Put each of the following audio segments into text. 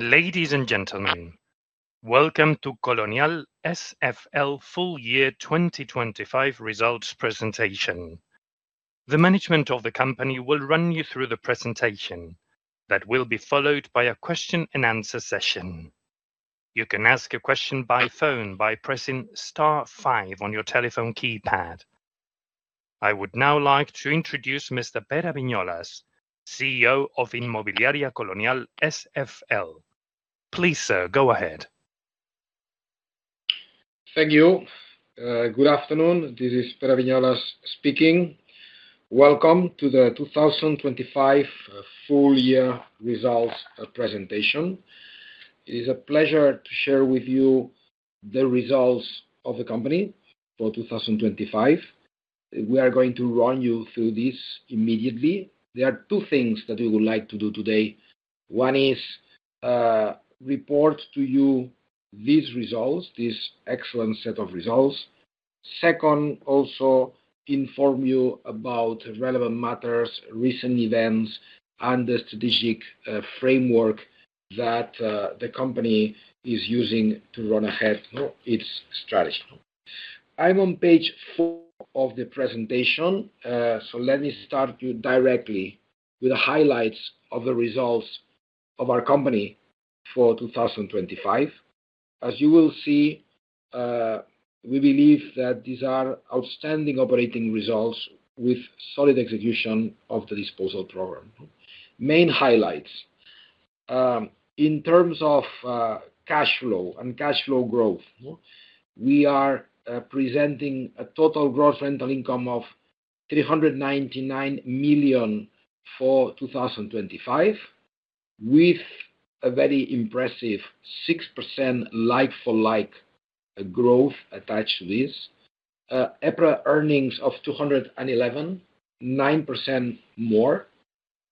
Ladies and gentlemen, welcome to Colonial SFL full year 2025 results presentation. The management of the company will run you through the presentation. That will be followed by a Q&A session. You can ask a question by phone by pressing star 5 on your telephone keypad. I would now like to introduce Mr. Pere Viñolas, CEO of Inmobiliaria Colonial SFL. Please, sir, go ahead. Thank you. Good afternoon. This is Pere Viñolas speaking. Welcome to the 2025 full year results presentation. It is a pleasure to share with you the results of the company for 2025. We are going to run you through this immediately. There are 2 things that we would like to do today. One is report to you these results, this excellent set of results. Second, also inform you about relevant matters, recent events, and the strategic framework that the company is using to run ahead its strategy. I'm on page 4 of the presentation. Let me start you directly with the highlights of the results of our company for 2025. As you will see, we believe that these are outstanding operating results with solid execution of the disposal program. Main highlights. In terms of cash flow and cash flow growth, we are presenting a total gross rental income of 399 million for 2025, with a very impressive 6% like-for-like growth attached to this. EPRA earnings of 211, 9% more,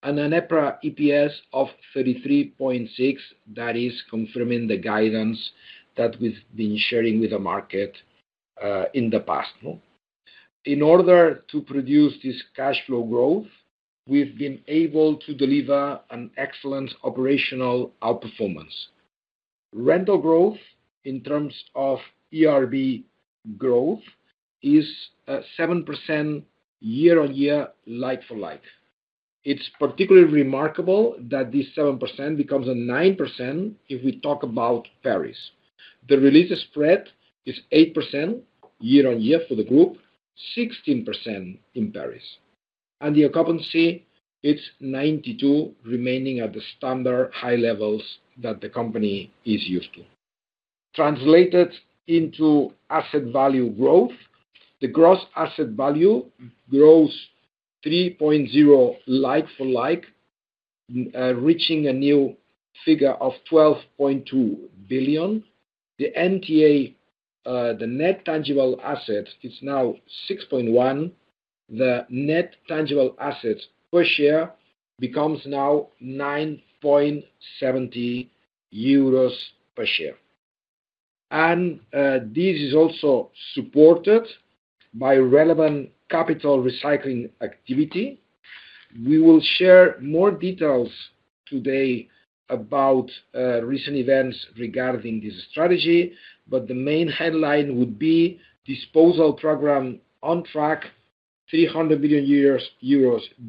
and an EPRA EPS of 33.6. That is confirming the guidance that we've been sharing with the market in the past. In order to produce this cash flow growth, we've been able to deliver an excellent operational outperformance. Rental growth, in terms of ERV growth, is 7% year-on-year, like-for-like. It's particularly remarkable that this 7% becomes a 9% if we talk about Paris. The re-leasing spread is 8% year-over-year for the group, 16% in Paris, and the occupancy, it's 92%, remaining at the standard high levels that the company is used to. Translated into asset value growth, the gross asset value grows 3.0 like-for-like, reaching a new figure of 12.2 billion. The NTA, the net tangible asset, is now 6.1 billion. The net tangible assets per share becomes now 9.70 euros per share. This is also supported by relevant capital recycling activity. We will share more details today about recent events regarding this strategy, but the main headline would be: disposal program on track, 300 billion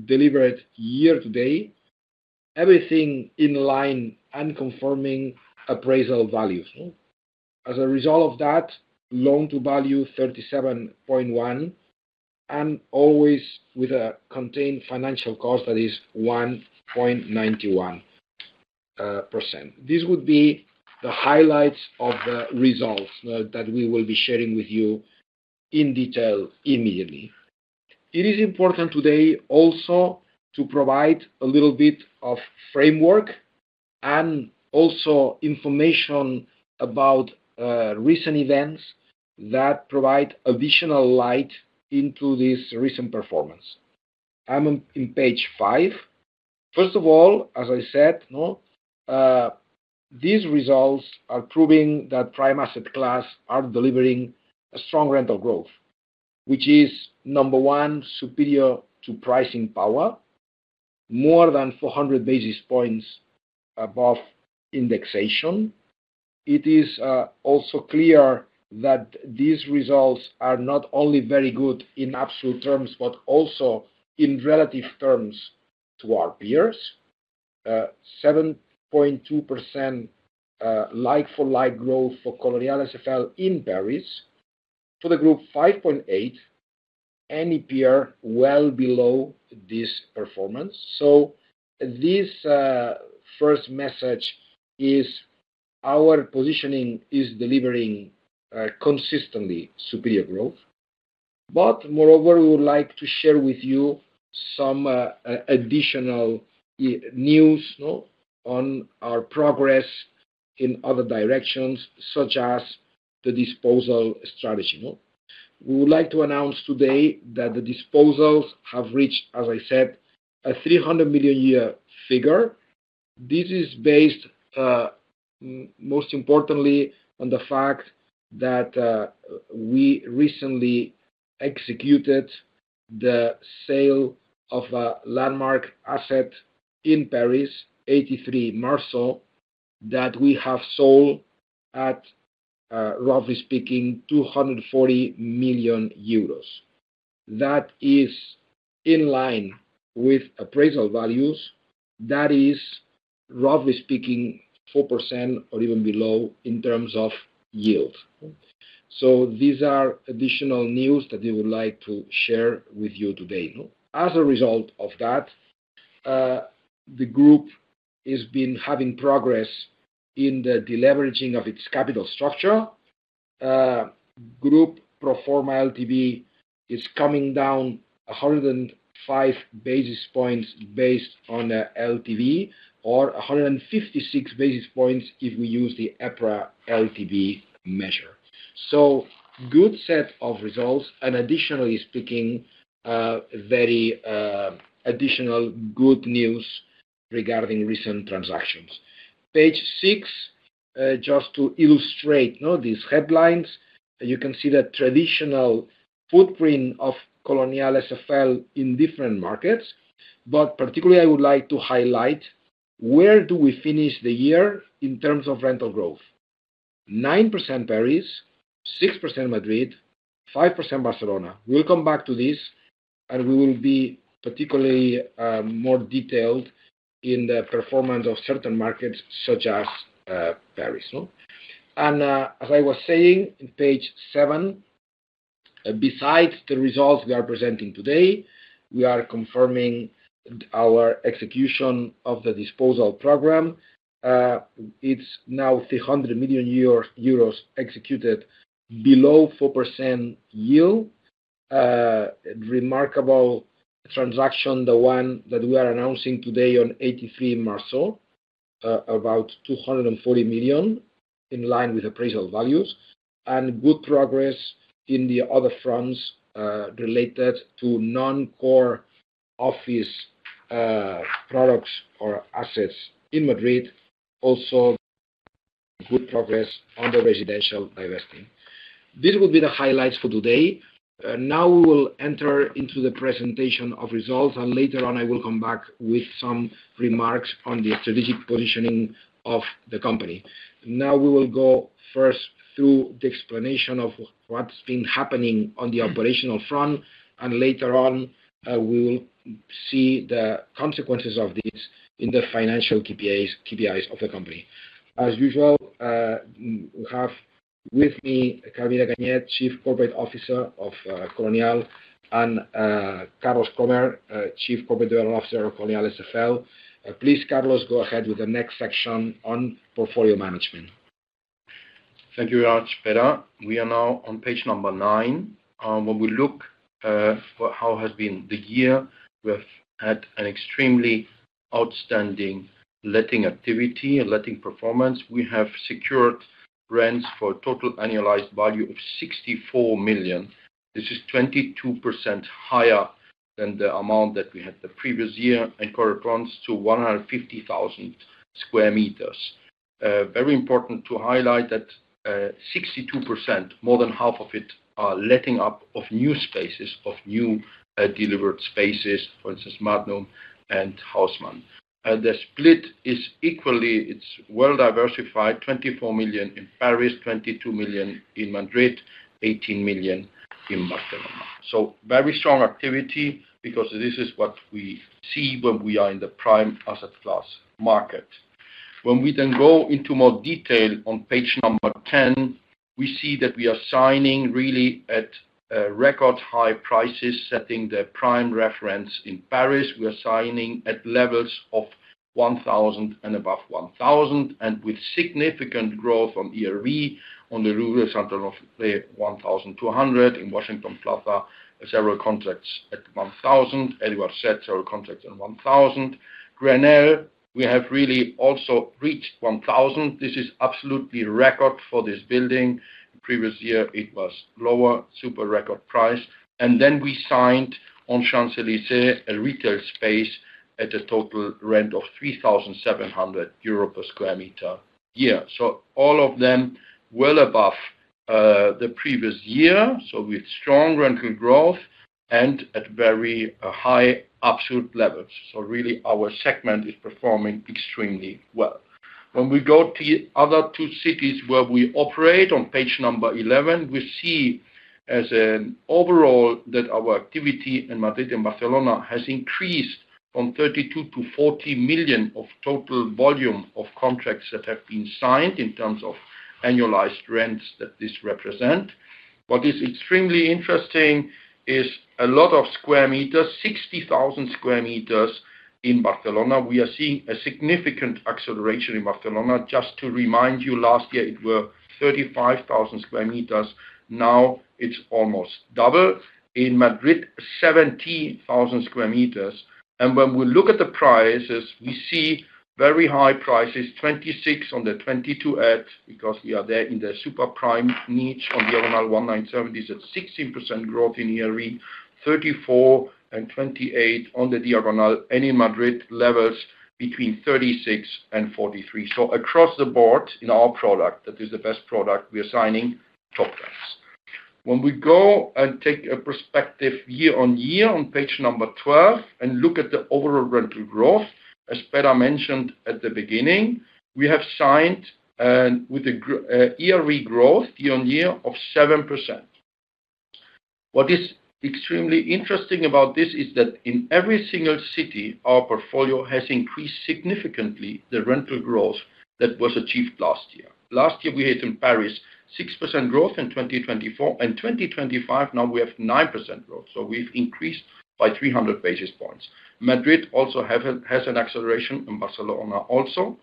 delivered year-to-date, everything in line and confirming appraisal values. As a result of that, LTV 37.1%, and always with a contained financial cost that is 1.91%. This would be the highlights of the results that we will be sharing with you in detail immediately. It is important today also to provide a little bit of framework and also information about recent events that provide additional light into this recent performance. I'm on in page 5. First of all, as I said, no, these results are proving that prime asset class are delivering a strong rental growth, which is, number one, superior to pricing power, more than 400 basis points above indexation. It is also clear that these results are not only very good in absolute terms, but also in relative terms to our peers. 7.2% like-for-like growth for Colonial SFL in Paris. For the group, 5.8%, any peer well below this performance. This first message is our positioning is delivering consistently superior growth. Moreover, we would like to share with you some additional news on our progress in other directions, such as the disposal strategy. We would like to announce today that the disposals have reached, as I said, a 300 million a year figure. This is based most importantly on the fact that we recently executed the sale of a landmark asset in Paris, 83 Marceau, that we have sold at, roughly speaking, 240 million euros. That is in line with appraisal values. That is, roughly speaking, 4% or even below in terms of yield. These are additional news that we would like to share with you today. As a result of that, the group has been having progress in the deleveraging of its capital structure. Group pro forma LTV is coming down 105 basis points based on the LTV, or 156 basis points if we use the EPRA LTV measure. Good set of results, and additionally speaking, very additional good news regarding recent transactions. Page 6, just to illustrate these headlines, you can see the traditional footprint of Colonial SFL in different markets. Particularly, I would like to highlight, where do we finish the year in terms of rental growth? 9% Paris, 6% Madrid, 5% Barcelona. We'll come back to this, and we will be particularly more detailed in the performance of certain markets, such as Paris? As I was saying, in page 7, besides the results we are presenting today, we are confirming our execution of the disposal program. It's now 300 million euros executed below 4% yield. Remarkable transaction, the one that we are announcing today on 83 Marceau, about 240 million, in line with appraisal values. Good progress in the other fronts, related to non-core office products or assets in Madrid. Also, good progress on the residential divesting. This will be the highlights for today. Now, we will enter into the presentation of results, later on, I will come back with some remarks on the strategic positioning of the company. Now, we will go first through the explanation of what's been happening on the operational front, and later on, we will see the consequences of this in the financial KPAs, KPIs of the company. As usual, I have with me, Carolina Gagne, Chief Corporate Officer of Colonial, and Carlos Comer, Chief Corporate Development Officer of Colonial SFL. Please, Carlos, go ahead with the next section on portfolio management. Thank you very much, Pere. We are now on page number 9. When we look for how has been the year, we have had an extremely outstanding letting activity and letting performance. We have secured rents for a total annualized value of 64 million. This is 22% higher than the amount that we had the previous year, and corresponds to 150,000 square meters. Very important to highlight that 62%, more than half of it, are letting up of new spaces, of new delivered spaces, for instance, Magnum and Haussmann. The split is well diversified, 24 million in Paris, 22 million in Madrid, 18 million in Barcelona. Very strong activity because this is what we see when we are in the prime asset class market. We then go into more detail on page number 10, we see that we are signing really at record high prices, setting the prime reference. In Paris, we are signing at levels of 1,000 and above 1,000, with significant growth on ERV on the Rue Saint-Honoré, 1,200. In Washington Plaza, several contracts at 1,000. Édouard VII, several contracts at 1,000. Grenelle, we have really also reached 1,000. This is absolutely record for this building. Previous year, it was lower, super record price. Then we signed on Champs-Élysées, a retail space at a total rent of 3,700 euro per square meter year. All of them, well above the previous year, with strong rental growth and at very high absolute levels. Really, our segment is performing extremely well. When we go to the other 2 cities where we operate on page 11, we see as an overall that our activity in Madrid and Barcelona has increased from 32 million to 40 million of total volume of contracts that have been signed in terms of annualized rents that this represent. What is extremely interesting is a lot of square meters, 60,000 square meters in Barcelona. We are seeing a significant acceleration in Barcelona. Just to remind you, last year, it were 35,000 square meters. Now, it's almost double. In Madrid, 17,000 square meters. When we look at the prices, we see very high prices, 26 on the 22 at, because we are there in the super prime niche on Diagonal 197, 16% growth in ERV. 34 and 28 on the Diagonal, and in Madrid, levels between 36 and 43. Across the board, in our product, that is the best product, we are signing contracts. When we go and take a perspective year-on-year on page 12, and look at the overall rental growth, as Pere mentioned at the beginning, we have signed, with a yearly growth, year-on-year of 7%. What is extremely interesting about this is that in every single city, our portfolio has increased significantly, the rental growth that was achieved last year. Last year, we had in Paris, 6% growth in 2024, and 2025, now we have 9% growth, so we've increased by 300 basis points. Madrid also has an acceleration, and Barcelona also.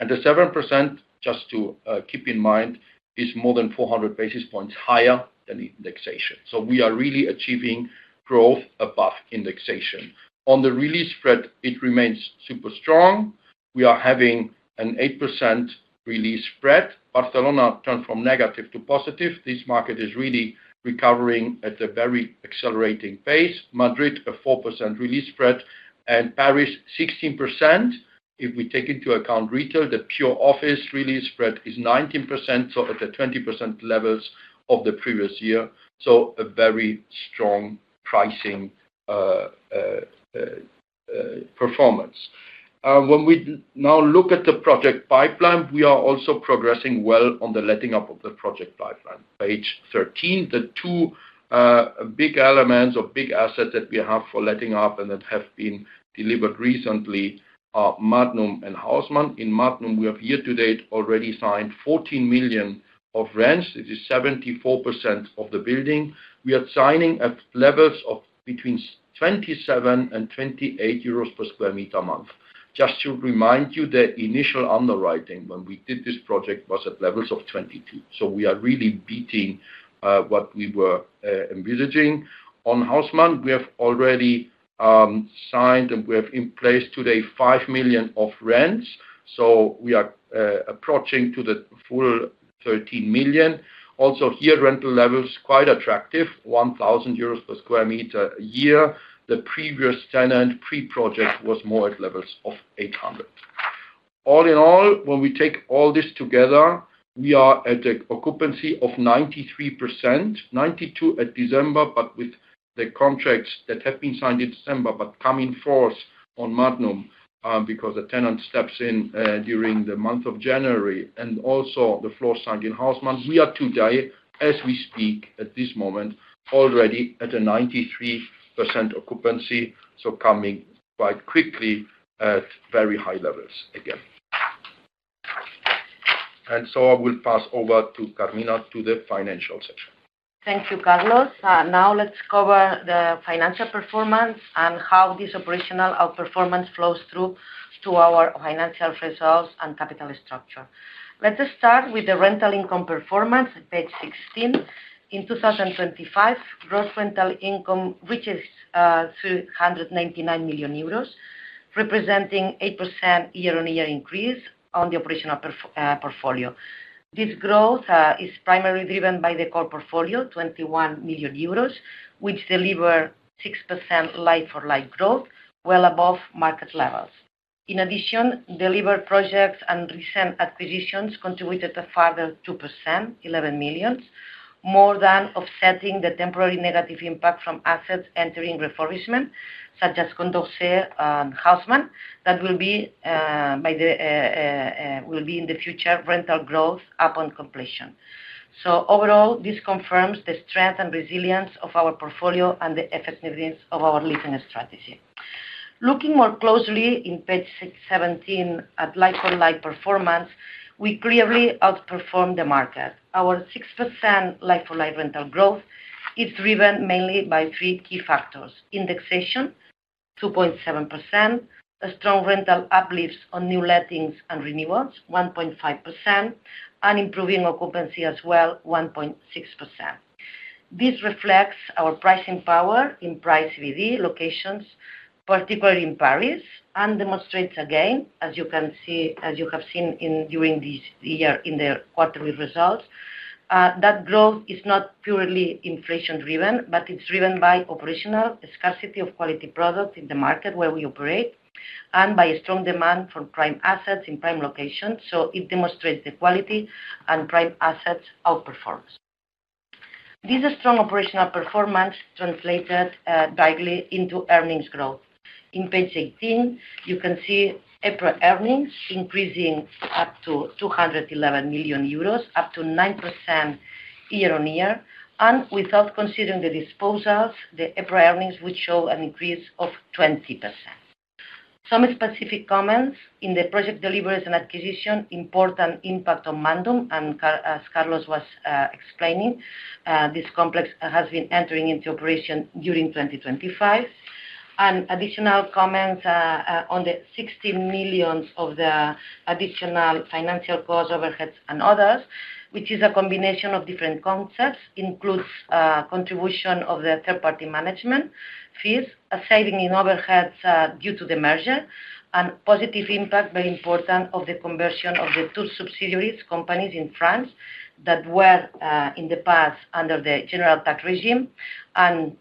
The 7%, just to keep in mind, is more than 400 basis points higher than the indexation. We are really achieving growth above indexation. On the re-leasing spread, it remains super strong. We are having an 8% re-leasing spread. Barcelona turned from negative to positive. This market is really recovering at a very accelerating pace. Madrid, a 4% re-leasing spread, and Paris, 16%. If we take into account retail, the pure office re-leasing spread is 19%, so at the 20% levels of the previous year. A very strong pricing performance. When we now look at the project pipeline, we are also progressing well on the letting up of the project pipeline. Page 13, the 2 big elements or big assets that we have for letting up and that have been delivered recently are Magnum and Haussmann. In Magnum, we have year to date already signed 14 million of rents. It is 74% of the building. We are signing at levels of between 27 and 28 euros per square meter a month. Just to remind you, the initial underwriting when we did this project was at levels of 22, so we are really beating what we were envisaging. On Haussmann, we have already signed, and we have in place today 5 million of rents, so we are approaching to the full 13 million. Also, here, rental levels quite attractive, 1,000 euros per square meter a year. The previous tenant, pre-project, was more at levels of 800. All in all, when we take all this together, we are at a occupancy of 93%, 92 at December, but with the contracts that have been signed in December, but come in force on Magnum, because the tenant steps in during the month of January, and also the floor signed in Haussmann. We are today, as we speak, at this moment, already at a 93% occupancy, so coming quite quickly at very high levels again. I will pass over to Carmina, to the financial section. Thank you, Carlos. Now let's cover the financial performance and how this operational outperformance flows through to our financial results and capital structure. Let us start with the rental income performance at page 16. In 2025, gross rental income reaches 399 million euros, representing 8% year-on-year increase on the operational portfolio. This growth is primarily driven by the core portfolio, 21 million euros, which deliver 6% like-for-like growth, well above market levels. In addition, delivered projects and recent acquisitions contributed a further 2%, 11 million, more than offsetting the temporary negative impact from assets entering refurbishment, such as Condorcet and Haussmann. That will be in the future rental growth upon completion. Overall, this confirms the strength and resilience of our portfolio and the effectiveness of our leasing strategy. Looking more closely in page 17 at like-for-like performance, we clearly outperformed the market. Our 6% like-for-like rental growth is driven mainly by 3 key factors: indexation, 2.7%; a strong rental uplifts on new lettings and renewals, 1.5%; and improving occupancy as well, 1.6%. This reflects our pricing power in price DD locations, particularly in Paris, and demonstrates again, as you can see, as you have seen in, during this year in the quarterly results, that growth is not purely inflation driven, but it's driven by operational scarcity of quality product in the market where we operate and by a strong demand for prime assets in prime locations. It demonstrates the quality and prime assets outperforms. This strong operational performance translated directly into earnings growth. In page 18, you can see EPRA earnings increasing up to 211 million euros, up to 9% year-on-year. Without considering the disposals, the EPRA earnings would show an increase of 20%. Some specific comments in the project deliveries and acquisition, important impact on Magnum, and as Carlos was explaining, this complex has been entering into operation during 2025. Additional comments on the 60 million of the additional financial costs, overheads, and others, which is a combination of different concepts, includes contribution of the third-party management fees, a saving in overheads due to the merger, and positive impact, very important, of the conversion of the 2 subsidiaries companies in France that were in the past, under the general tax regime.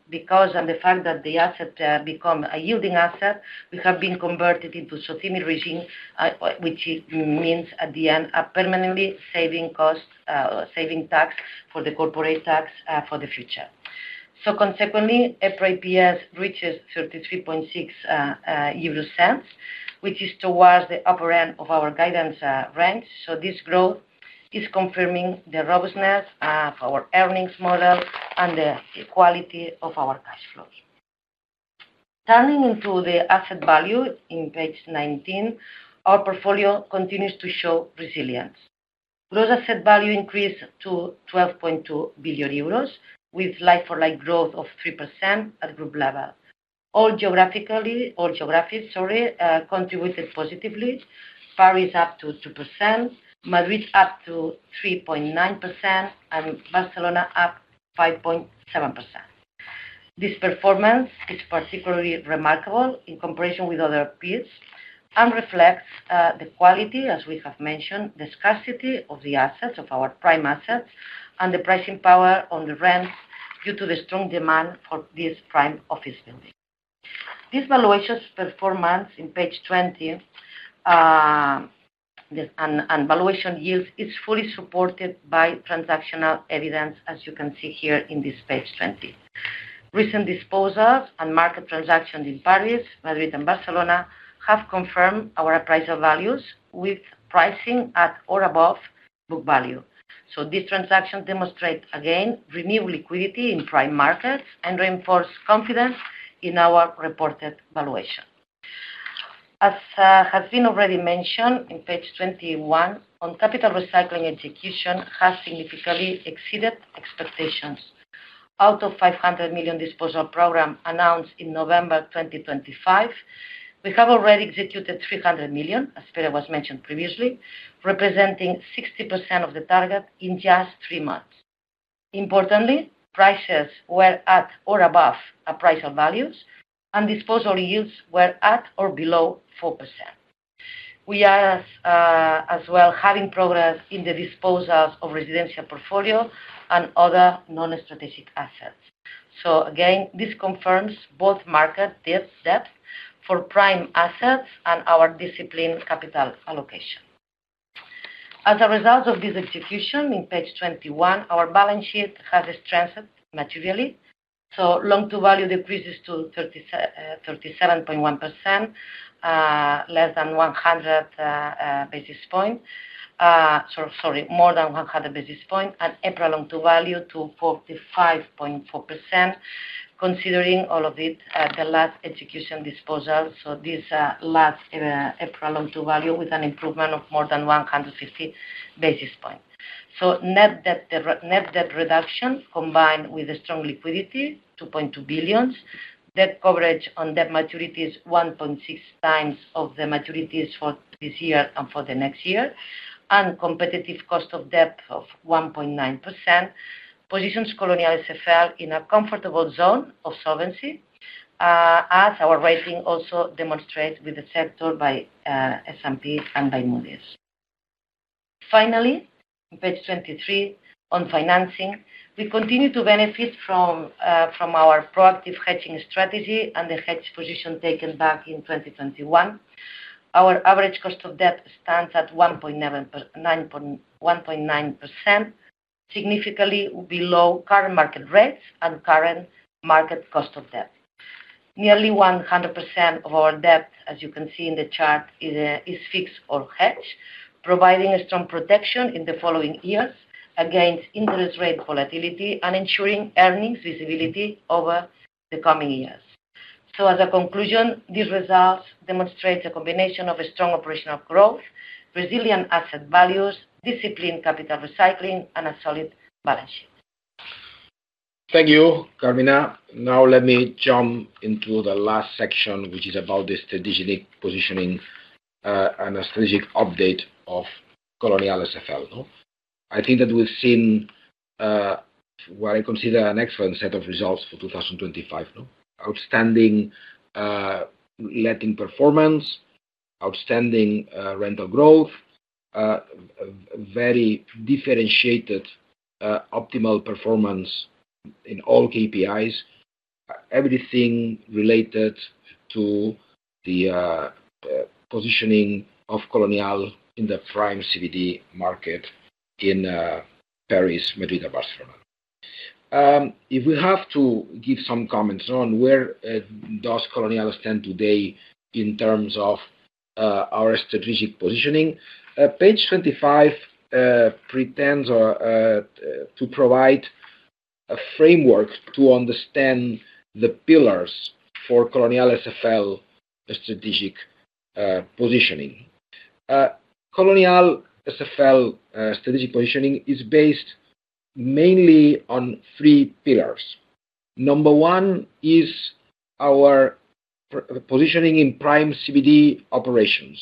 Because of the fact that the asset become a yielding asset, we have been converted into SOCIMI regime, which means at the end, a permanently saving costs, saving tax for the corporate tax for the future. Consequently, EPRA EPS reaches 0.336, which is towards the upper end of our guidance range. This growth is confirming the robustness of our earnings model and the quality of our cash flows. Turning into the asset value in page 19, our portfolio continues to show resilience. Gross asset value increased to 12.2 billion euros, with like-for-like growth of 3% at group level. All geographically, all geographies, sorry, contributed positively. Paris up to 2%, Madrid up to 3.9%, and Barcelona up 5.7%. This performance is particularly remarkable in comparison with other peers, and reflects the quality, as we have mentioned, the scarcity of the assets, of our prime assets, and the pricing power on the rent due to the strong demand for this prime office building. This valuations performance in page 20, this, and valuation yield is fully supported by transactional evidence, as you can see here in this page 20. Recent disposals and market transactions in Paris, Madrid, and Barcelona have confirmed our appraiser values with pricing at or above book value. These transactions demonstrate, again, renewed liquidity in prime markets and reinforce confidence in our reported valuation. As has been already mentioned in page 21, on capital recycling execution has significantly exceeded expectations. Out of 500 million disposal program announced in November 2025, we have already executed 300 million, as was mentioned previously, representing 60% of the target in just 3 months. Importantly, prices were at or above appraiser values, and disposal yields were at or below 4%. We are as well, having progress in the disposals of residential portfolio and other non-strategic assets. Again, this confirms both market depth for prime assets and our disciplined capital allocation. As a result of this execution, in page 21, our balance sheet has strengthened materially. Loan-to-value decreases to 37.1%, less than 100 basis points. Sorry, more than 100 basis points, and EPRA loan-to-value to 45.4%, considering all of it, the last execution disposal. This last EPRA Loan-to-Value, with an improvement of more than 150 basis points. Net debt, the net debt reduction, combined with a strong liquidity, 2.2 billion, debt coverage on debt maturity is 1.6 times of the maturities for this year and for the next year, and competitive cost of debt of 1.9%, positions Colonial SFL in a comfortable zone of solvency, as our rating also demonstrates with the sector by S&P and by Moody's. Finally, page 23, on financing, we continue to benefit from our proactive hedging strategy and the hedge position taken back in 2021. Our average cost of debt stands at 1.9%, significantly below current market rates and current market cost of debt. Nearly 100% of our debt, as you can see in the chart, is fixed or hedged, providing a strong protection in the following years against interest rate volatility and ensuring earnings visibility over the coming years. As a conclusion, these results demonstrate a combination of a strong operational growth, resilient asset values, disciplined capital recycling, and a solid balance sheet. Thank you, Carmina. Now let me jump into the last section, which is about the strategic positioning and a strategic update of Colonial SFL, no? I think that we've seen what I consider an excellent set of results for 2025, no? Outstanding letting performance, outstanding rental growth, a very differentiated optimal performance in all KPIs. Everything related to the positioning of Colonial in the prime CBD market in Paris, Madrid, and Barcelona. If we have to give some comments on where does Colonial stand today in terms of our strategic positioning, page 25 pretends or to provide a framework to understand the pillars for Colonial SFL strategic positioning. Colonial SFL strategic positioning is based mainly on 3 pillars. Number one is our positioning in prime CBD operations.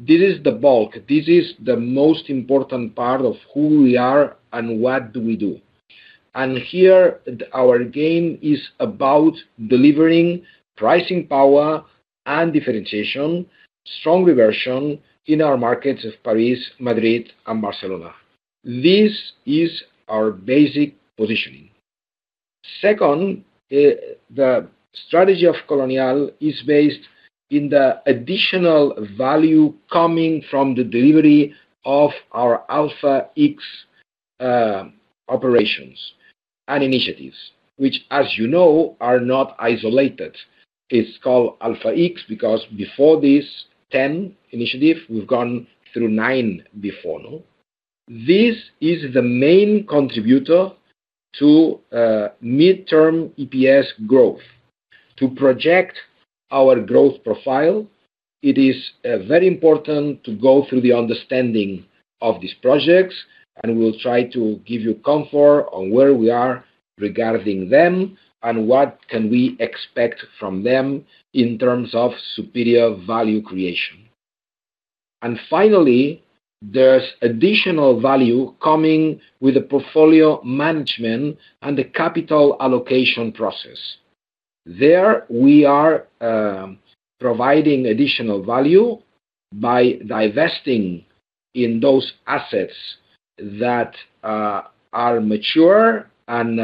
This is the bulk. This is the most important part of who we are and what do we do. Here, our game is about delivering pricing power and differentiation, strong reversion in our markets of Paris, Madrid, and Barcelona. This is our basic positioning. Second, the strategy of Colonial is based in the additional value coming from the delivery of our Alpha X operations and initiatives, which, as you know, are not isolated. It's called Alpha X because before this 10 initiative, we've gone through 9 before, no? This is the main contributor to midterm EPS growth. To project our growth profile, it is very important to go through the understanding of these projects, and we'll try to give you comfort on where we are regarding them, and what can we expect from them in terms of superior value creation. Finally, there's additional value coming with the portfolio management and the capital allocation process. There, we are providing additional value by divesting in those assets that are mature and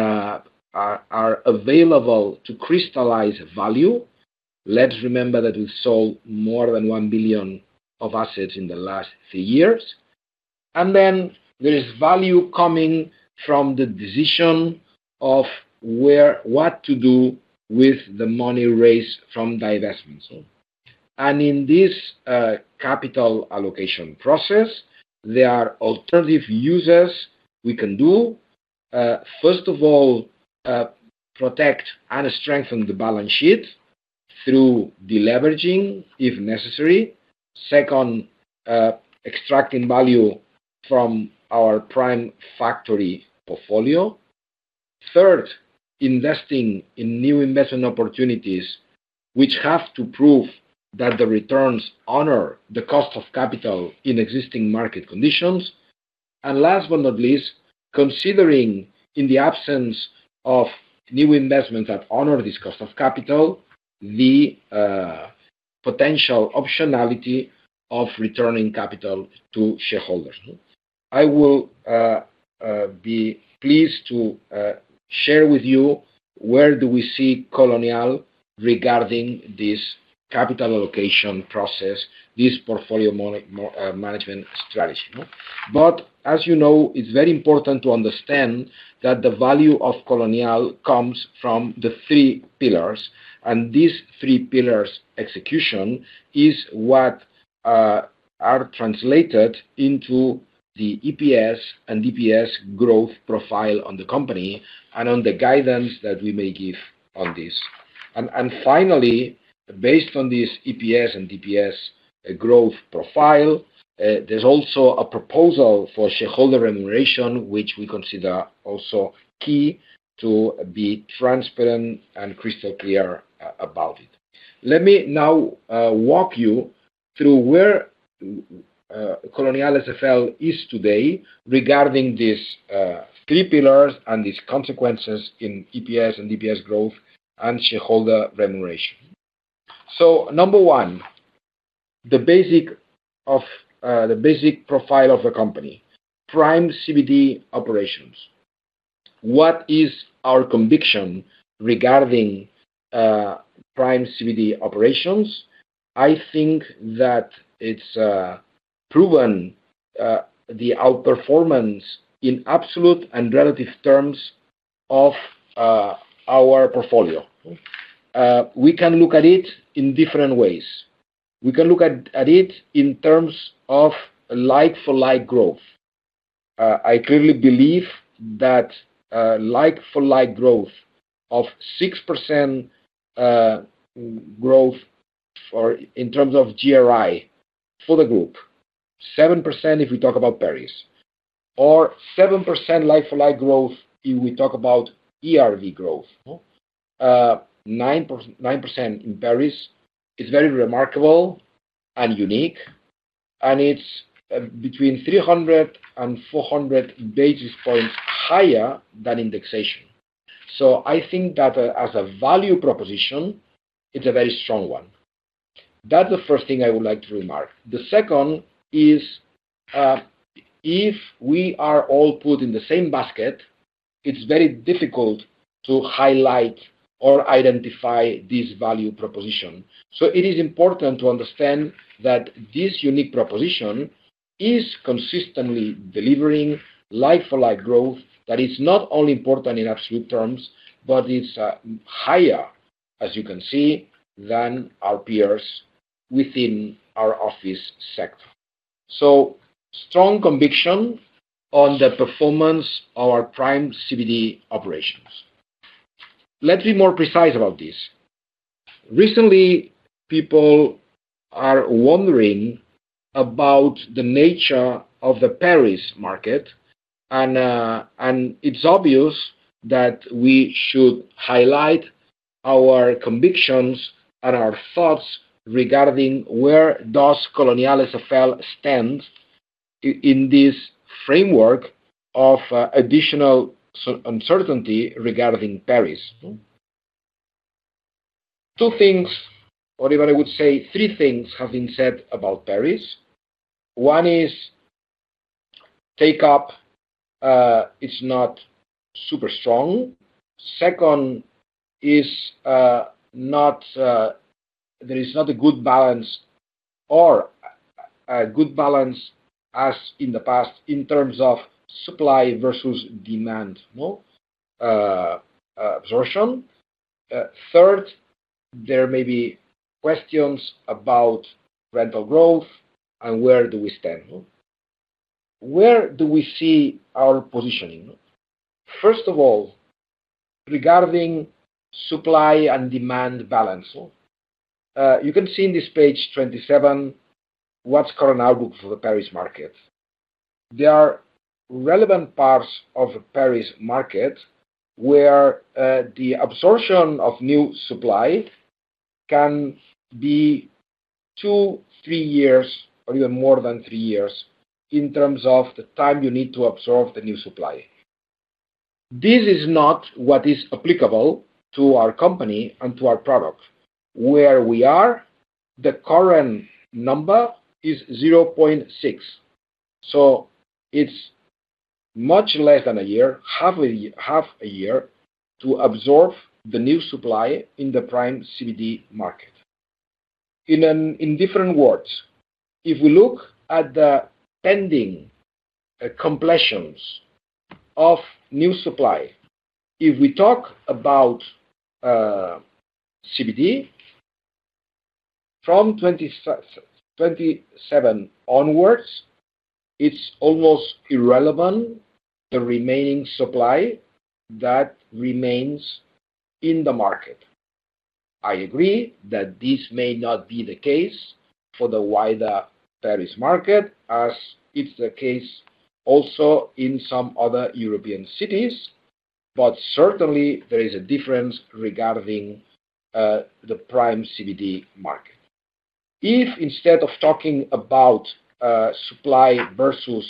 are available to crystallize value. Let's remember that we sold more than 1 billion of assets in the last 3 years. There is value coming from the decision of what to do with the money raised from divestment. In this capital allocation process, there are alternative uses we can do. First of all, protect and strengthen the balance sheet through deleveraging, if necessary. Second, extracting value from our prime factory portfolio. Third, investing in new investment opportunities, which have to prove that the returns honor the cost of capital in existing market conditions. Last but not least, considering in the absence of new investments that honor this cost of capital, the potential optionality of returning capital to shareholders. I will be pleased to share with you, where do we see Colonial regarding this capital allocation process, this portfolio management strategy. As you know, it's very important to understand that the value of Colonial comes from the 3 pillars, and these 3 pillars' execution is what are translated into the EPS and DPS growth profile on the company and on the guidance that we may give on this. Finally, based on this EPS and DPS growth profile, there's also a proposal for shareholder remuneration, which we consider also key to be transparent and crystal clear about it. Let me now walk you through where Colonial SFL is today regarding these 3 pillars and its consequences in EPS and DPS growth and shareholder remuneration. Number 1, the basic profile of the company, prime CBD operations. What is our conviction regarding prime CBD operations? I think that it's proven the outperformance in absolute and relative terms of our portfolio. We can look at it in different ways. We can look at it in terms of like-for-like growth. I clearly believe that like-for-like growth of 6% growth or in terms of GRI for the group, 7% if we talk about Paris, or 7% like-for-like growth if we talk about ERV growth. 9% in Paris, is very remarkable and unique, and it's between 300-400 basis points higher than indexation. I think that, as a value proposition, it's a very strong one. That's the first thing I would like to remark. The second is, if we are all put in the same basket, it's very difficult to highlight or identify this value proposition. It is important to understand that this unique proposition is consistently delivering like-for-like growth, that is not only important in absolute terms, but it's higher, as you can see, than our peers within our office sector. Strong conviction on the performance of our prime CBD operations. Let's be more precise about this. Recently, people are wondering about the nature of the Paris market, and it's obvious that we should highlight our convictions and our thoughts regarding where does Colonial SFL stand in this framework of additional uncertainty regarding Paris. 2 things, or even I would say 3 things, have been said about Paris. One is take up is not super strong. Second, is not, there is not a good balance or a good balance as in the past, in terms of supply versus demand, no absorption. Third, there may be questions about rental growth and where do we stand? Where do we see our positioning? First of all, regarding supply and demand balance. You can see in this page 27, what's current outlook for the Paris market. There are relevant parts of the Paris market where the absorption of new supply can be 2, 3 years, or even more than 3 years, in terms of the time you need to absorb the new supply. This is not what is applicable to our company and to our product. Where we are, the current number is 0.6. It's much less than a year, half a year, to absorb the new supply in the prime CBD market. In different words, if we look at the pending completions of new supply, if we talk about CBD, from 2027 onwards, it's almost irrelevant, the remaining supply that remains in the market. I agree that this may not be the case for the wider Paris market, as it's the case also in some other European cities, but certainly there is a difference regarding the prime CBD market. If instead of talking about supply versus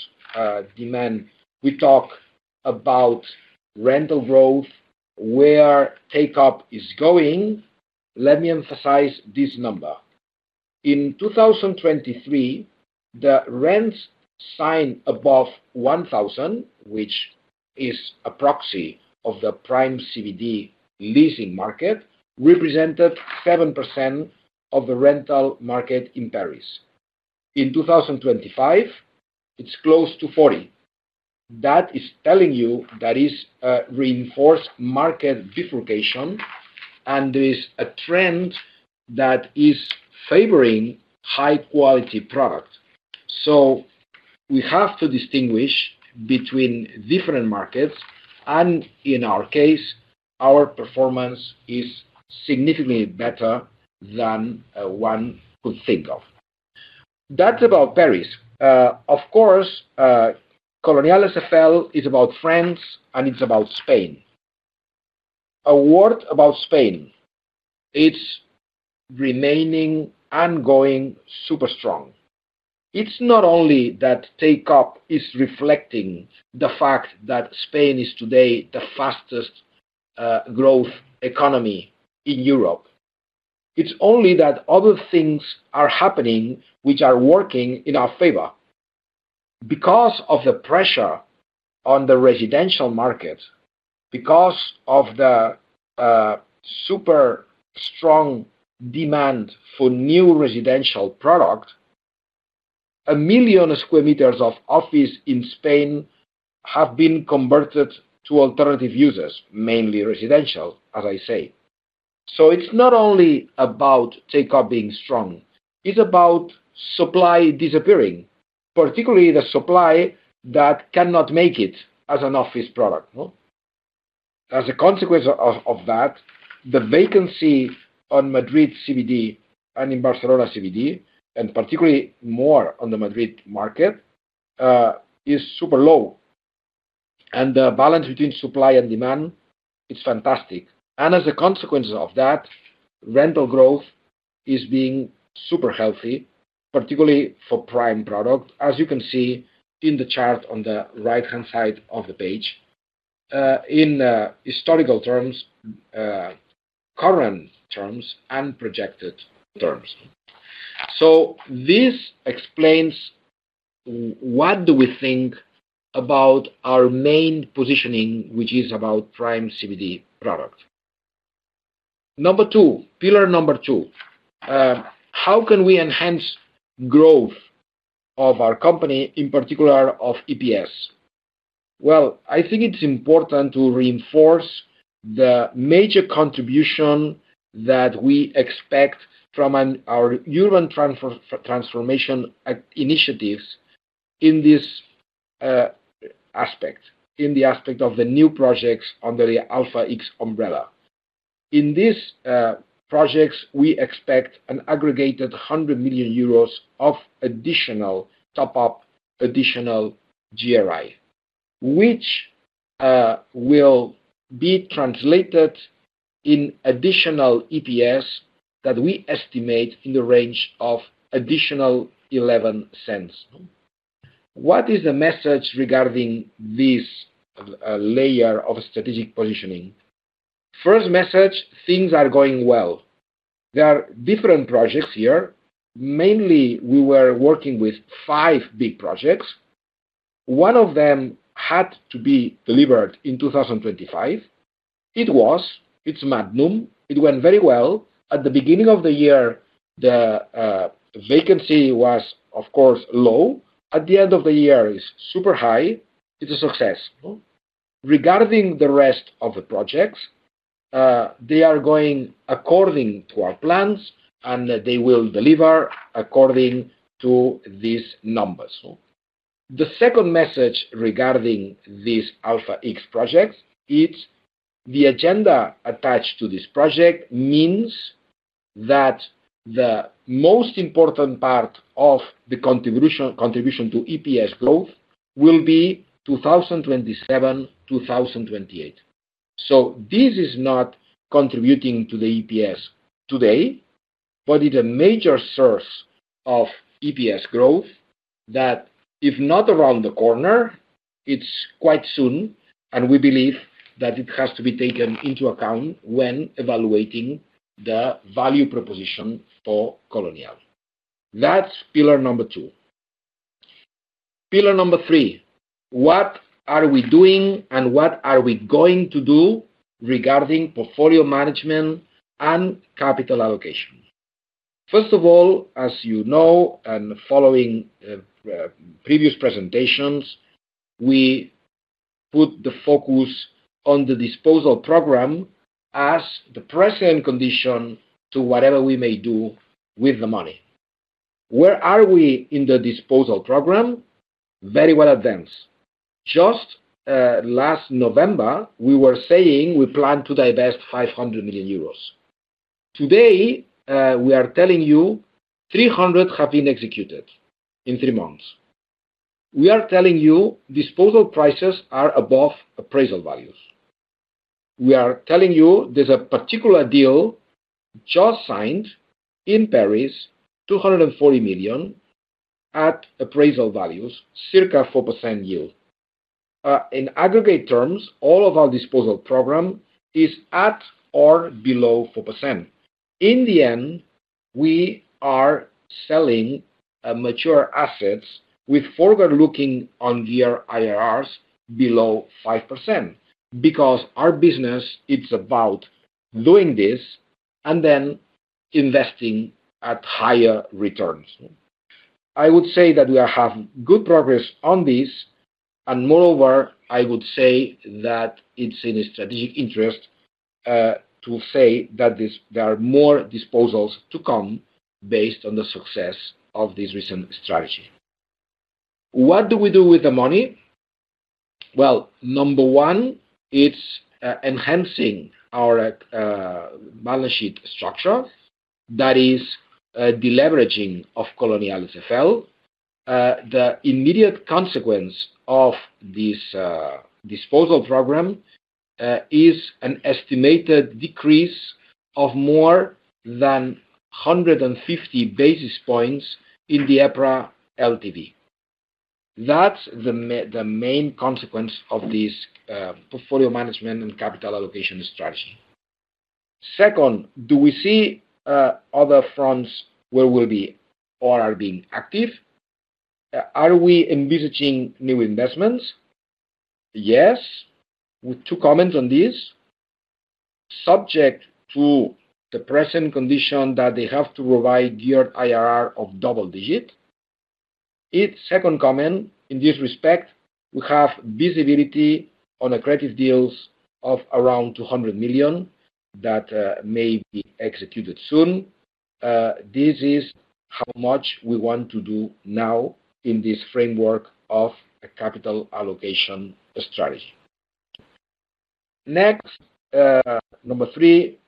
demand, we talk about rental growth, where take up is going, let me emphasize this number. In 2023, the rents signed above 1,000, which is a proxy of the prime CBD leasing market, represented 7% of the rental market in Paris. In 2025, it's close to 40%. That is telling you there is a reinforced market bifurcation, and there is a trend that is favoring high-quality product. We have to distinguish between different markets, and in our case, our performance is significantly better than one could think of. That's about Paris. Of course, Colonial SFL is about France, and it's about Spain. A word about Spain: it's remaining and going super strong. It's not only that take up is reflecting the fact that Spain is today the fastest growth economy in Europe. It's only that other things are happening which are working in our favor. Because of the pressure on the residential market, because of the super strong demand for new residential product, 1 million square meters of office in Spain have been converted to alternative users, mainly residential, as I say. It's not only about take up being strong, it's about supply disappearing, particularly the supply that cannot make it as an office product, no? As a consequence of that, the vacancy on Madrid CBD and in Barcelona CBD, and particularly more on the Madrid market, is super low, and the balance between supply and demand is fantastic. As a consequence of that, rental growth is being super healthy, particularly for prime product, as you can see in the chart on the right-hand side of the page, in historical terms, current terms, and projected terms. This explains what do we think about our main positioning, which is about prime CBD product. Number 2, pillar number 2: How can we enhance growth of our company, in particular, of EPS? Well, I think it's important to reinforce the major contribution that we expect from our urban transformation initiatives in this aspect, in the aspect of the new projects under the Alpha X umbrella. In these projects, we expect an aggregated 100 million euros of additional top-up, additional GRI, which will be translated in additional EPS that we estimate in the range of additional 0.11. What is the message regarding this layer of strategic positioning? First message, things are going well. There are different projects here. Mainly, we were working with 5 big projects. One of them had to be delivered in 2025. It's Magnum. It went very well. At the beginning of the year, the vacancy was, of course, low. At the end of the year, it's super high. It's a success. Regarding the rest of the projects, they are going according to our plans, and they will deliver according to these numbers. The second message regarding this Alpha X project, it's the agenda attached to this project means that the most important part of the contribution to EPS growth will be 2027, 2028. This is not contributing to the EPS today, but it's a major source of EPS growth that if not around the corner, it's quite soon, and we believe that it has to be taken into account when evaluating the value proposition for Colonial. That's pillar number 2. Pillar number 3: What are we doing, and what are we going to do regarding portfolio management and capital allocation? First of all, as you know, and following previous presentations, we put the focus on the disposal program as the present condition to whatever we may do with the money. Where are we in the disposal program? Very well advanced. Just last November, we were saying we plan to divest 500 million euros. Today, we are telling you 300 million have been executed in 3 months. We are telling you disposal prices are above appraisal values. We are telling you there's a particular deal just signed in Paris, 240 million at appraisal values, circa 4% yield. In aggregate terms, all of our disposal program is at or below 4%. In the end, we are selling mature assets with forward-looking on-year IRRs below 5%, because our business, it's about doing this and then investing at higher returns. I would say that we are having good progress on this, and moreover, I would say that it's in a strategic interest to say that there are more disposals to come based on the success of this recent strategy. What do we do with the money? Well, number one, it's enhancing our balance sheet structure, that is, a deleveraging of Colonial SFL. The immediate consequence of this disposal program is an estimated decrease of more than 150 basis points in the EPRA LTV. That's the main consequence of this portfolio management and capital allocation strategy. Second, do we see other fronts where we'll be or are being active? Are we envisaging new investments? Yes, with 2 comments on this. Subject to the present condition that they have to provide year IRR of double digit. It's second comment, in this respect, we have visibility on accretive deals of around 200 million that may be executed soon. This is how much we want to do now in this framework of a capital allocation strategy. Next, number 3,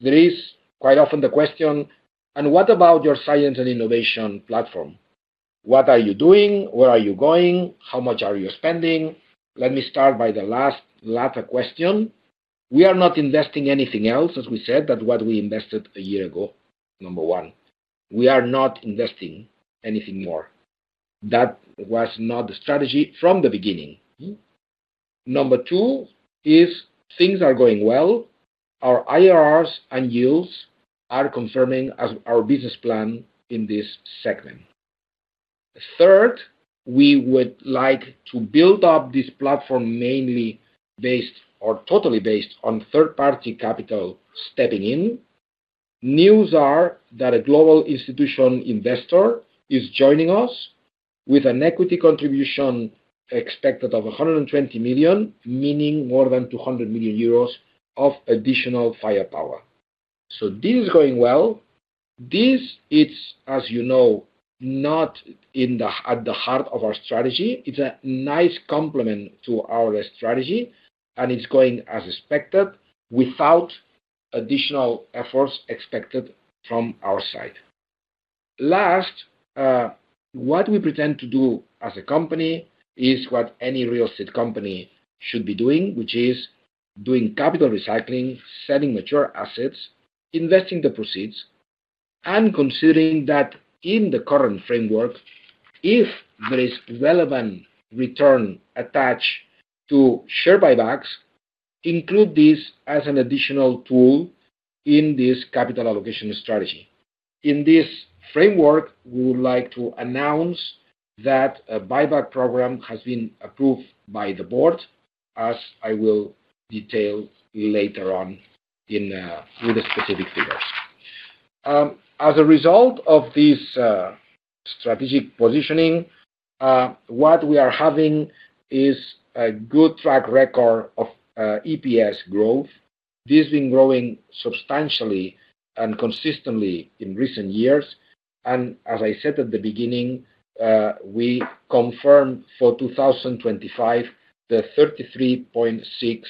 there is quite often the question, "What about your science and innovation platform? What are you doing? Where are you going? How much are you spending?" Let me start by the last, latter question. We are not investing anything else, as we said, that what we invested a year ago, number 1. We are not investing anything more. That was not the strategy from the beginning. Number 2 is things are going well. Our IRRs and yields are confirming as our business plan in this segment. Third, we would like to build up this platform mainly based or totally based on third-party capital stepping in. News are that a global institution investor is joining us with an equity contribution expected of 120 million, meaning more than 200 million euros of additional firepower. This is going well. This is, as you know, not in the, at the heart of our strategy. It's a nice complement to our strategy, and it's going as expected, without additional efforts expected from our side. Last, what we pretend to do as a company is what any real estate company should be doing, which is doing capital recycling, selling mature assets, investing the proceeds. Considering that in the current framework, if there is relevant return attached to share buybacks, include this as an additional tool in this capital allocation strategy. In this framework, we would like to announce that a buyback program has been approved by the board, as I will detail later on with the specific figures. As a result of this strategic positioning, what we are having is a good track record of EPS growth. This has been growing substantially and consistently in recent years, and as I said at the beginning, we confirm for 2025, the 0.336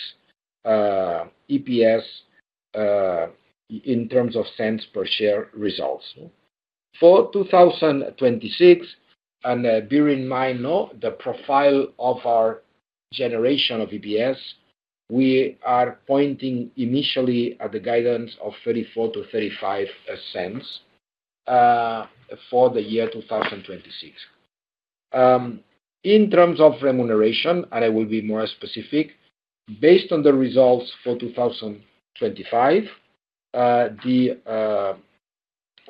EPS in terms of cents per share results. For 2026, and bear in mind now, the profile of our generation of EPS, we are pointing initially at the guidance of 0.34-0.35 for the year 2026. In terms of remuneration, and I will be more specific, based on the results for 2025, the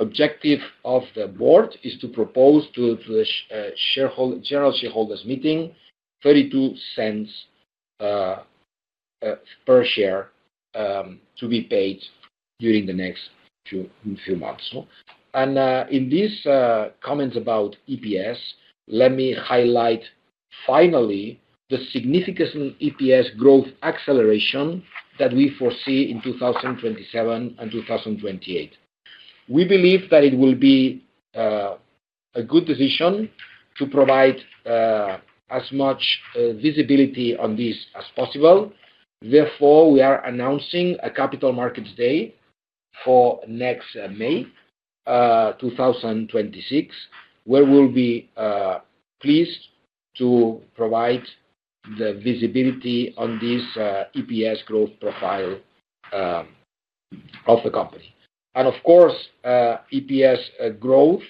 objective of the board is to propose to the shareholder, general shareholders meeting EUR 0.32 per share to be paid during the next few months. In these comments about EPS, let me highlight finally, the significant EPS growth acceleration that we foresee in 2027 and 2028. We believe that it will be a good decision to provide as much visibility on this as possible. Therefore, we are announcing a Capital Markets Day for next May 2026, where we'll be pleased to provide the visibility on this EPS growth profile of the company. Of course, EPS growth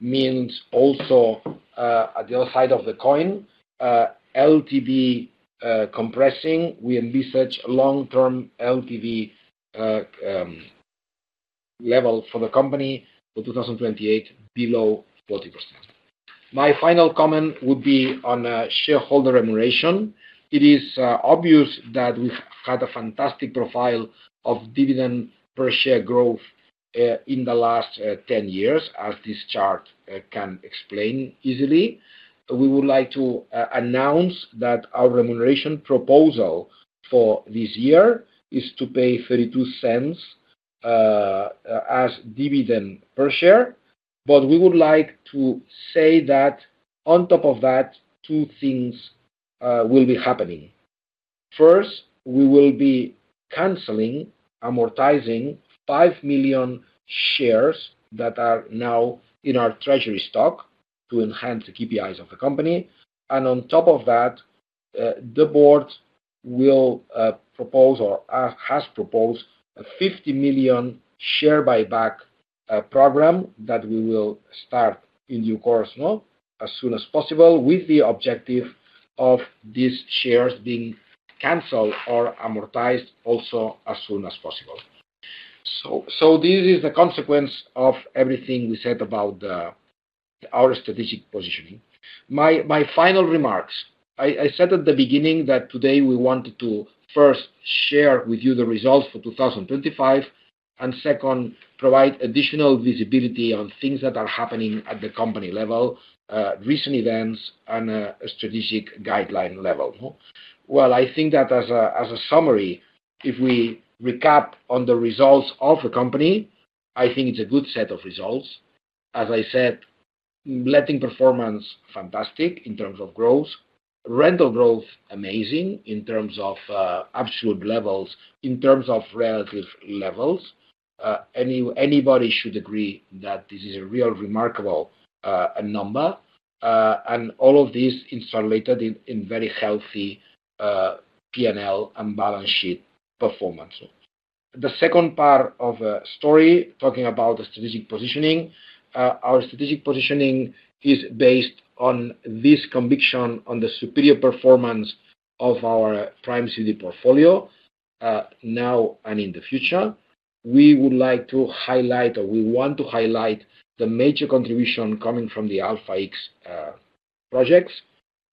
means also at the other side of the coin, LTV compressing. We envisage long-term LTV level for the company for 2028, below 40%. My final comment would be on shareholder remuneration. It is obvious that we've had a fantastic profile of dividend per share growth in the last 10 years, as this chart can explain easily. We would like to announce that our remuneration proposal for this year is to pay 0.32 as dividend per share. We would like to say that on top of that, 2 things will be happening. First, we will be canceling, amortizing 5 million shares that are now in our treasury stock to enhance the KPIs of the company. On top of that, the board will propose or has proposed a 50 million share buyback program that we will start in due course, now, as soon as possible, with the objective of these shares being canceled or amortized also as soon as possible. This is the consequence of everything we said about our strategic positioning. My final remarks. I said at the beginning that today we wanted to first share with you the results for 2025, and second, provide additional visibility on things that are happening at the company level, recent events and strategic guideline level. I think that as a summary, if we recap on the results of the company, I think it's a good set of results. As I said, letting performance fantastic in terms of growth. Rental growth, amazing in terms of absolute levels, in terms of relative levels. Anybody should agree that this is a real remarkable number. All of this insulated in very healthy PNL and balance sheet performance. The second part of the story, talking about the strategic positioning. Our strategic positioning is based on this conviction on the superior performance of our prime city portfolio, now and in the future. We would like to highlight, or we want to highlight the major contribution coming from the Alpha X projects.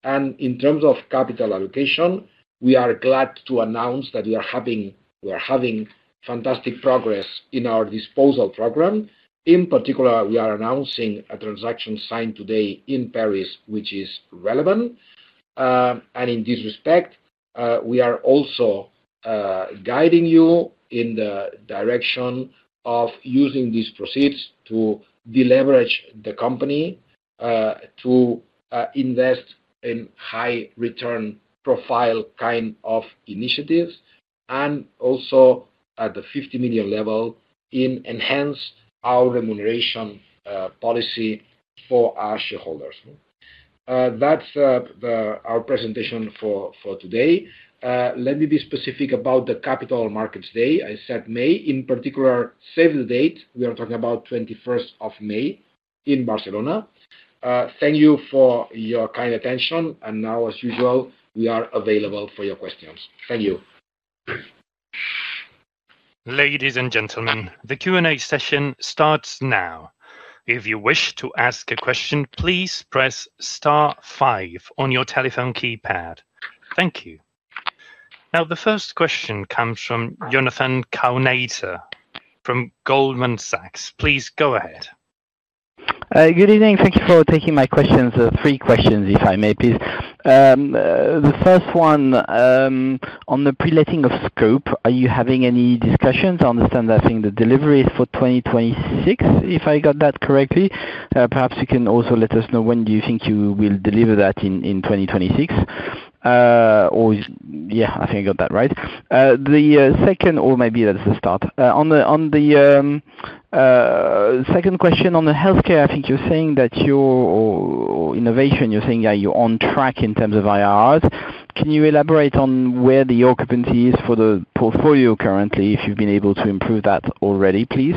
In terms of capital allocation, we are glad to announce that we are having fantastic progress in our disposal program. In particular, we are announcing a transaction signed today in Paris, which is relevant. In this respect, we are also guiding you in the direction of using these proceeds to deleverage the company, to invest in high return profile kind of initiatives, and also at the 50 million level, in enhance our remuneration policy for our shareholders. That's our presentation for today. Let me be specific about the Capital Markets Day. I said May, in particular, save the date. We are talking about 21st of May in Barcelona. Thank you for your kind attention, and now, as usual, we are available for your questions. Thank you. Ladies and gentlemen, the Q&A session starts now. If you wish to ask a question, please press star 5 on your telephone keypad. Thank you. The first question comes from Jonathan Kownator from Goldman Sachs. Please go ahead. Good evening. Thank you for taking my questions. 3 questions, if I may, please. The first one, on the pre-letting of Scope, are you having any discussions? I understand, I think the delivery is for 2026, if I got that correctly. Perhaps you can also let us know when do you think you will deliver that in 2026? Or yeah, I think I got that right. Second or maybe that's the start. On the second question on the healthcare, I think you're saying that your innovation, you're saying that you're on track in terms of IRR. Can you elaborate on where the occupancy is for the portfolio currently, if you've been able to improve that already, please?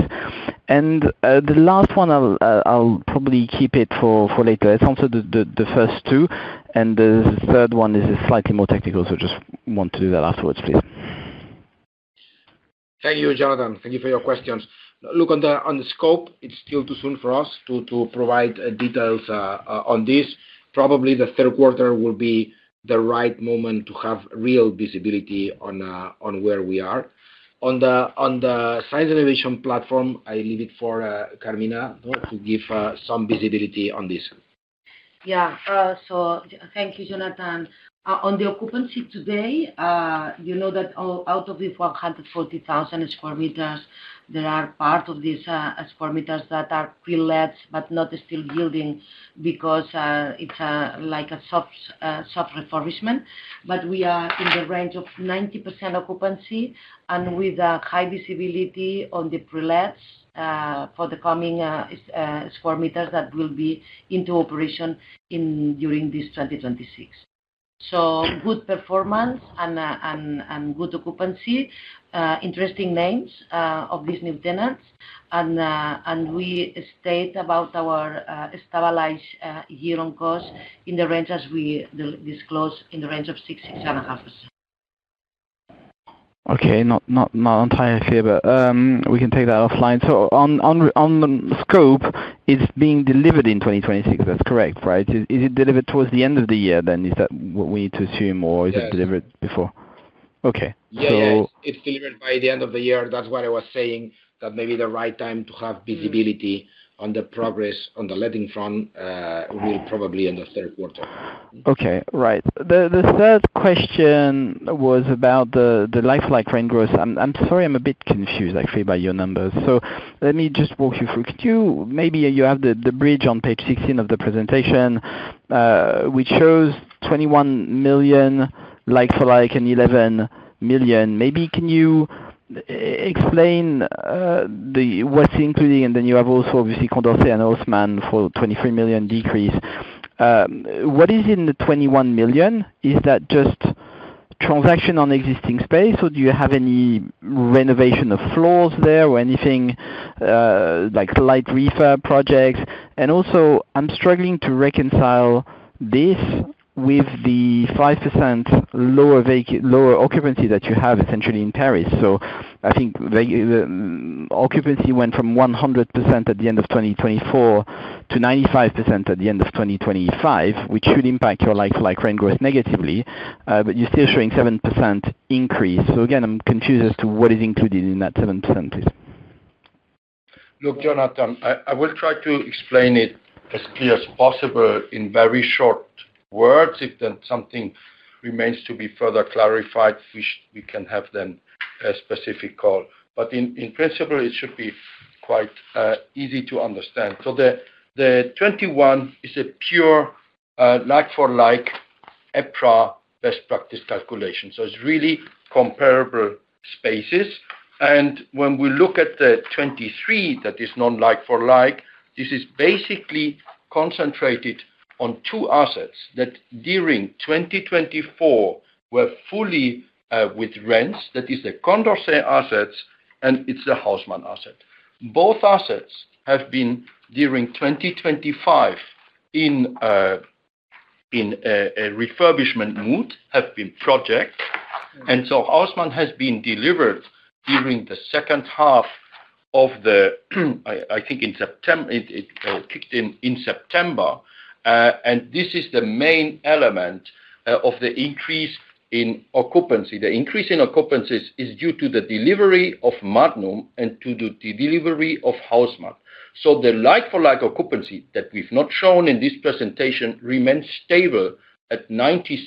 The last one I'll probably keep it for later. It's also the first 2. The third one is slightly more technical. Just want to do that afterwards, please. Thank you, Jonathan. Thank you for your questions. Look, on the Scope, it's still too soon for us to provide details on this. Probably the Q3 will be the right moment to have real visibility on where we are. On the science innovation platform, I leave it for Carmina to give some visibility on this. Thank you, Jonathan. On the occupancy today, you know that out of the 440,000 square meters, there are part of these square meters that are pre-let, but not still building because it's like a soft refurbishment. We are in the range of 90% occupancy and with a high visibility on the pre-lets for the coming square meters that will be into operation in during this 2026. Good performance and good occupancy. Interesting names of these new tenants, and we state about our stabilized year-on cost in the range as we disclose in the range of 6%-6.5%. Okay. Not entirely here, we can take that offline. On the Scope, it's being delivered in 2026. That's correct, right? Is it delivered towards the end of the year then? Is that what we need to assume? Yes. or is it delivered before? Okay. Yeah. It's delivered by the end of the year. That's what I was saying, that maybe the right time to have visibility on the progress on the letting front, will probably in the Q3. Okay. Right. The third question was about the like-for-like rent growth. I'm sorry, I'm a bit confused, actually, by your numbers. Let me just walk you through. Maybe you have the bridge on page 16 of the presentation, which shows 21 million like-for-like and 11 million. Maybe can you explain what's included, and then you have also obviously Condorcet and Haussmann for 23 million decrease. What is in the 21 million? Is that just transaction on existing space, or do you have any renovation of floors there or anything, like light refurb projects? Also, I'm struggling to reconcile this with the 5% lower occupancy that you have essentially in Paris. I think the occupancy went from 100% at the end of 2024 to 95% at the end of 2025, which should impact your like-for-like rent growth negatively. You're still showing 7% increase. Again, I'm confused as to what is included in that 7%. Look, Jonathan, I will try to explain it as clear as possible in very short words. If something remains to be further clarified, we can have then a specific call. In principle, it should be quite easy to understand. The 21 is a pure like-for-like EPRA best practice calculation. It's really comparable spaces. When we look at the 23, that is non like-for-like, this is basically concentrated on 2 assets that during 2024 were fully with rents. That is the Condorcet assets, and it's the Haussmann asset. Both assets have been, during 2025, in a refurbishment mode, have been project. Haussmann has been delivered during the H1 of the, I think in September it kicked in in September. This is the main element of the increase in occupancy. The increase in occupancies is due to the delivery of Magnum and to the delivery of Haussmann. The like-for-like occupancy that we've not shown in this presentation remains stable at 96%.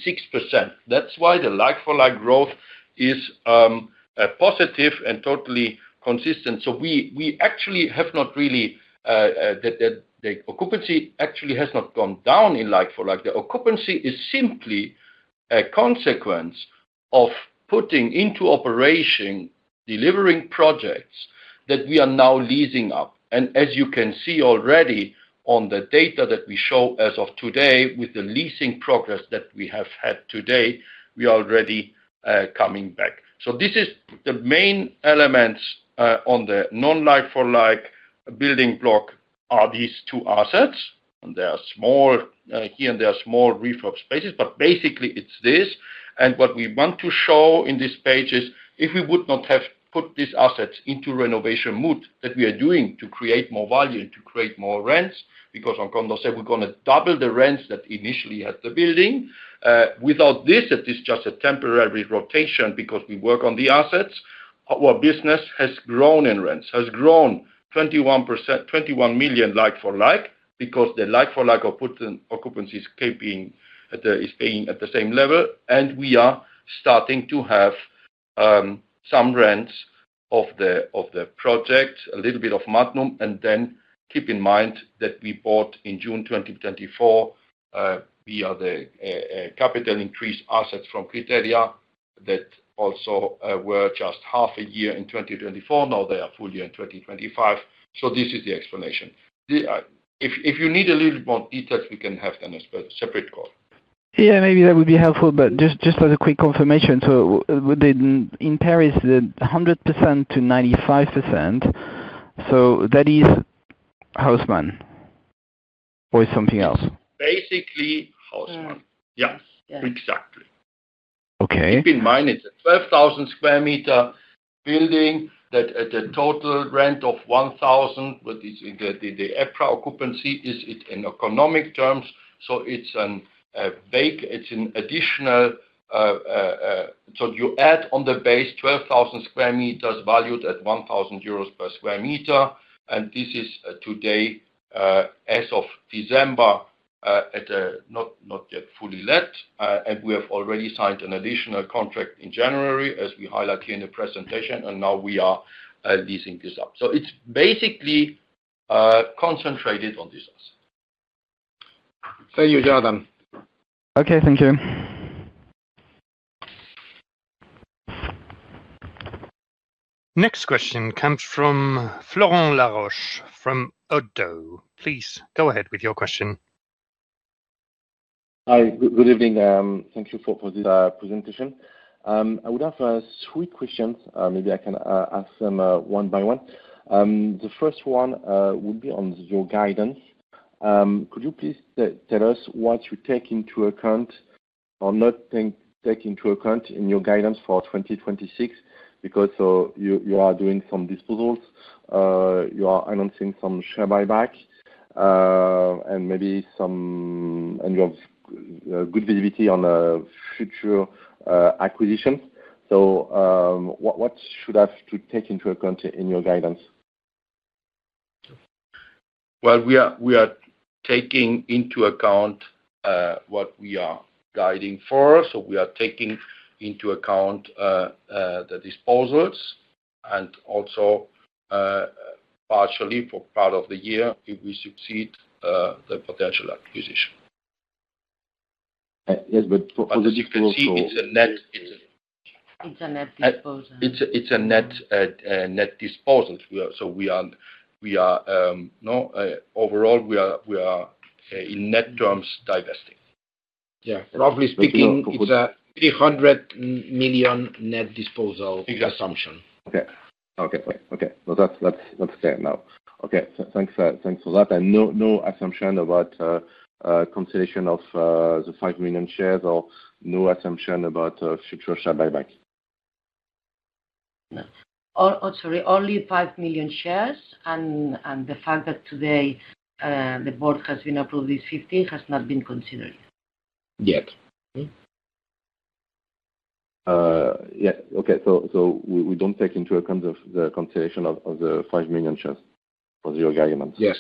That's why the like-for-like growth is positive and totally consistent. We actually have not really. The occupancy actually has not gone down in like-for-like. The occupancy is simply a consequence of putting into delivering projects that we are now leasing up. As you can see already on the data that we show as of today, with the leasing progress that we have had today, we are already coming back. This is the main elements on the non like-for-like building block are these 2 assets, and they are small here and there are small reflux spaces, but basically it's this. What we want to show in this page is if we would not have put these assets into renovation mode, that we are doing to create more value, to create more rents, because on Condorcet, we're gonna double the rents that initially had the building. Without this, it is just a temporary rotation because we work on the assets. Our business has grown in rents, has grown 21%, 21 million like for like, because the like for like of put in occupancy is keeping, is staying at the same level, and we are starting to have, some rents of the, of the project, a little bit of Magnum. Keep in mind that we bought in June 2024 via the capital increase assets from Criteria that also were just half a year in 2024, now they are full year in 2025. This is the explanation. The if you need a little more details, we can have then a separate call. Yeah, maybe that would be helpful, but just as a quick confirmation. In Paris, the 100% to 95%, that is Haussmann or it's something else? Basically, Haussmann. Hmm. Yeah. Yeah. Exactly. Okay. Keep in mind, it's a 12,000 square meter building that at a total rent of 1,000, with this, the, the EPRA occupancy, is it in economic terms. It's an additional. You add on the base 12,000 square meters valued at 1,000 euros per square meter, and this is today, as of December, at not yet fully let. We have already signed an additional contract in January, as we highlight here in the presentation, and now we are leasing this up. It's basically concentrated on this asset. Thank you, Jonathan. Okay, thank you. Next question comes from Florent Laroche, from ODDO BHF. Please, go ahead with your question. Hi, good evening. Thank you for this presentation. I would have 3 questions. Maybe I can ask them one by one. The first one would be on your guidance. Could you please tell us what you take into account or not take into account in your guidance for 2026? You are doing some disposals, you are announcing some share buyback, and maybe some, and you have good visibility on future acquisitions. What should I have to take into account in your guidance? We are taking into account what we are guiding for. We are taking into account the disposals and also partially for part of the year, if we succeed, the potential acquisition. Yes, for the future. As you can see, it's a net. It's a net disposal. It's a net disposal. We are, so we are, overall, we are in net terms, divesting. Yeah. Roughly speaking. Okay. It's a 300 million net disposal. Exactly.... assumption. Okay. Great. Okay. Well, that's clear now. Thanks for that. No assumption about consideration of the 5 million shares or no assumption about future share buyback? No. Or sorry, only 5 million shares, and the fact that today, the board has been approved, this 50 has not been considered. Yet. We don't take into account the consideration of the 5 million shares for your guidance? Yes.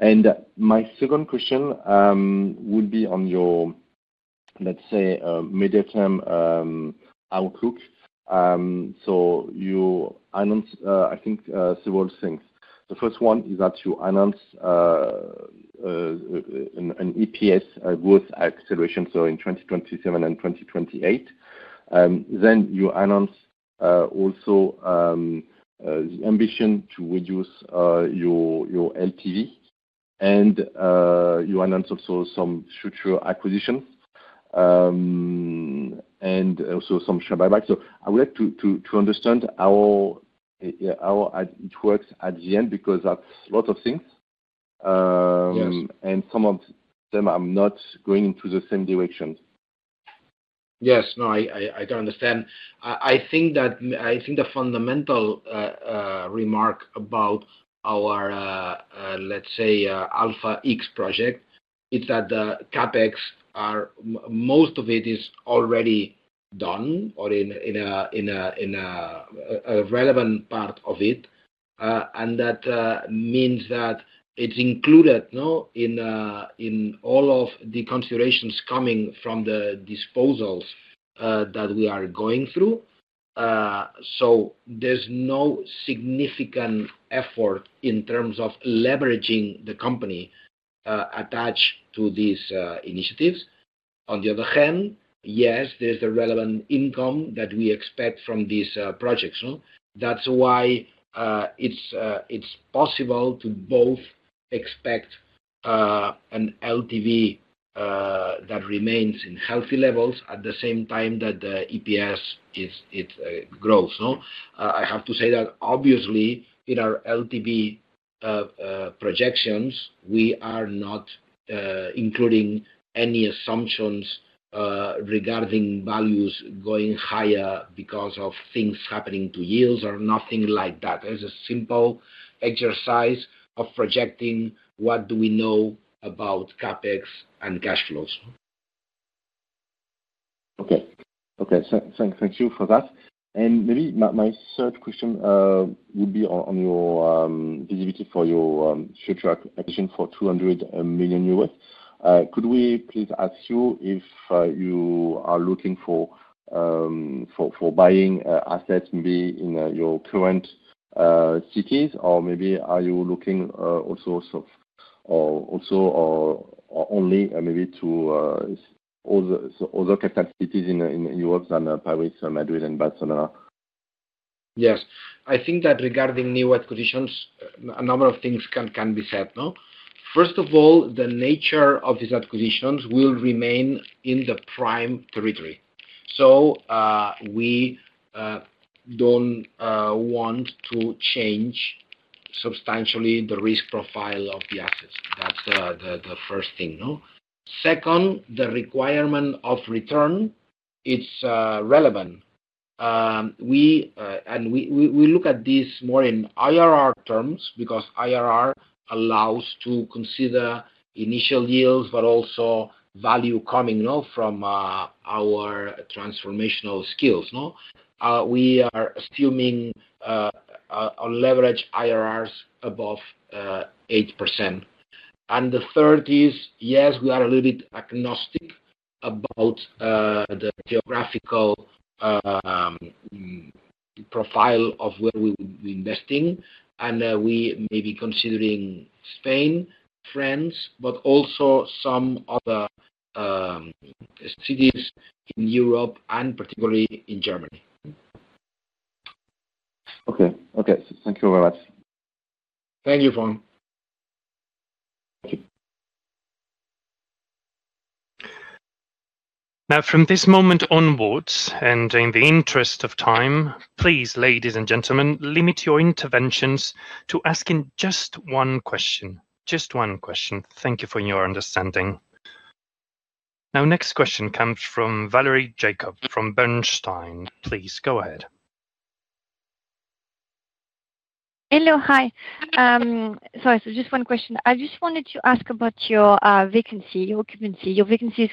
Okay. My second question, would be on your, let's say, medium term, outlook. You announced, I think, several things. The first one is that you announced an EPS growth acceleration, so in 2027 and 2028. You announced, also, the ambition to reduce your LTV, and you announced also some future acquisitions, and also some share buyback. I would like to understand how, yeah, how it works at the end, because that's a lot of things. Yes. Some of them are not going into the same direction. Yes. No, I understand. I think that, I think the fundamental remark about our let's say Alpha X project, is that the CapEx are most of it is already done or in a relevant part of it. And that means that it's included, no, in all of the considerations coming from the disposals that we are going through. There's no significant effort in terms of leveraging the company.... attach to these initiatives. On the other hand, yes, there's the relevant income that we expect from these projects. That's why it's possible to both expect an LTV that remains in healthy levels at the same time that the EPS grows, no? I have to say that obviously, in our LTV projections, we are not including any assumptions regarding values going higher because of things happening to yields or nothing like that. It's a simple exercise of projecting what do we know about CapEx and cash flows. Okay. Thank you for that. Maybe my third question would be on your visibility for your future acquisition for $200 million. Could we please ask you if you are looking for buying assets maybe in your current cities, or maybe are you looking also or only maybe to other capital cities in Europe than Paris, Madrid, and Barcelona? Yes. I think that regarding new acquisitions, a number of things can be said. First of all, the nature of these acquisitions will remain in the prime territory. We don't want to change substantially the risk profile of the assets. That's the first thing. Second, the requirement of return, it's relevant. We look at this more in IRR terms because IRR allows to consider initial yields, but also value coming, you know, from our transformational skills. We are assuming on leverage IRRs above 8%. The third is, yes, we are a little bit agnostic about the geographical profile of where we will be investing, and we may be considering Spain, France, but also some other cities in Europe and particularly in Germany. Okay. Okay, thank you very much. Thank you, Vaughn. Thank you. From this moment onwards, and in the interest of time, please, ladies and gentlemen, limit your interventions to asking just one question. Just one question. Thank you for your understanding. Next question comes from Valerie Jacob, from Bernstein. Please, go ahead. Hello, hi. It's just one question. I just wanted to ask about your vacancy, your occupancy. Your vacancy is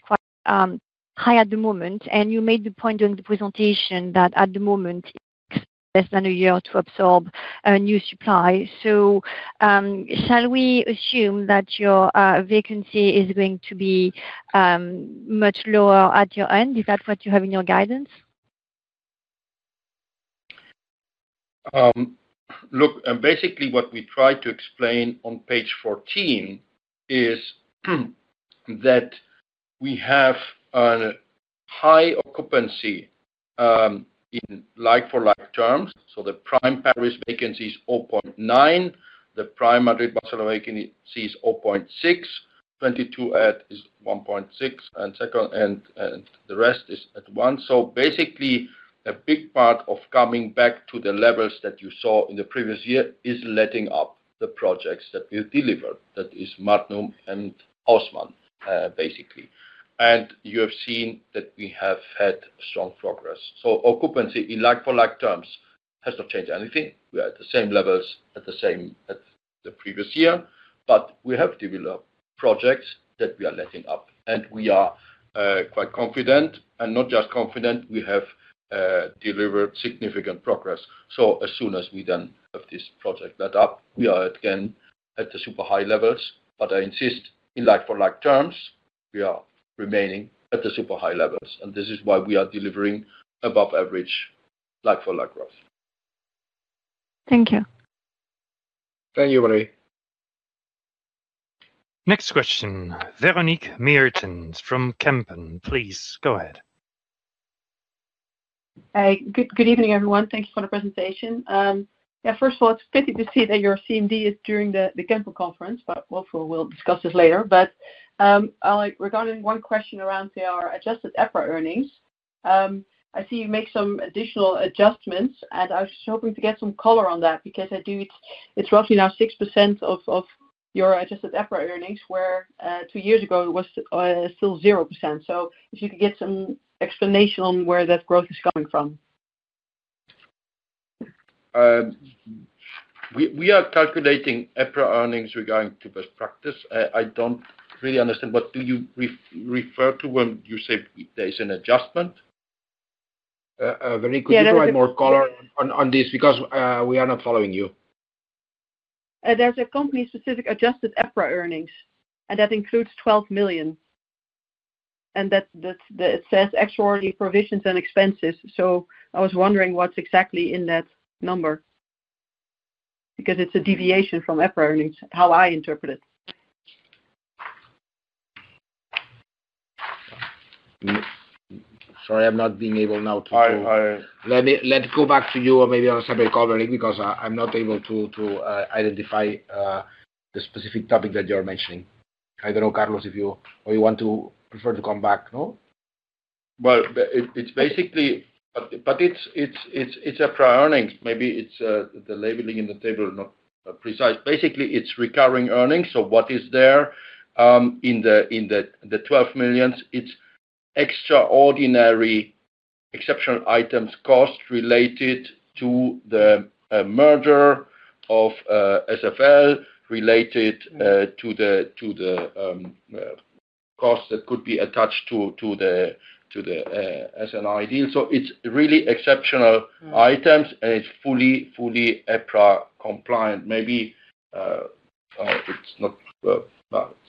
quite high at the moment, and you made the point during the presentation that at the moment, it takes less than a year to absorb a new supply. Shall we assume that your vacancy is going to be much lower at your end? Is that what you have in your guidance? Look, basically what we try to explain on page 14 is that we have a high occupancy in like-for-like terms. The prime Paris vacancy is 0.9, the prime Madrid, Barcelona vacancy is 0.6, 22 at is 1.6, and the rest is at 1. Basically, a big part of coming back to the levels that you saw in the previous year is letting up the projects that we delivered, that is Magnum and Osman, basically. You have seen that we have had strong progress. Occupancy in like-for-like terms has not changed anything. We are at the same levels, at the same as the previous year, but we have developed projects that we are letting up. We are quite confident and not just confident, we have delivered significant progress. As soon as we then have this project let up, we are again at the super high levels. I insist, in like-for-like terms, we are remaining at the super high levels, and this is why we are delivering above average like-for-like growth. Thank you. Thank you, Valerie. Next question, Véronique Meertens from Kempen. Please, go ahead. Hi. Good evening, everyone. Thank you for the presentation. Yeah, first of all, it's pity to see that your CMD is during the Kempen conference, but also we'll discuss this later. Regarding one question around their adjusted EPRA earnings, I see you make some additional adjustments, and I was hoping to get some color on that because I do... It's roughly now 6% of your adjusted EPRA earnings, where 2 years ago it was still 0%. If you could get some explanation on where that growth is coming from. We are calculating EPRA earnings regarding to best practice. I don't really understand, what do you refer to when you say there is an adjustment? Véronique, could you provide more color on this? We are not following you. There's a company-specific adjusted EPRA earnings, and that includes 12 million.... and that it says extraordinary provisions and expenses. I was wondering what's exactly in that number, because it's a deviation from EPRA earnings, how I interpret it. Sorry, I'm not being able now. I, I- Let's go back to you or maybe on a summary covering, because I'm not able to identify the specific topic that you are mentioning. I don't know, Carlos, if you want to prefer to come back, no? It's basically EPRA earnings. Maybe it's the labeling in the table, not precise. Basically, it's recurring earnings. What is there in the 12 million, it's extraordinary exceptional items, cost related to the merger of SFL, related to the cost that could be attached to the SFL deal. It's really exceptional items, and it's fully EPRA compliant.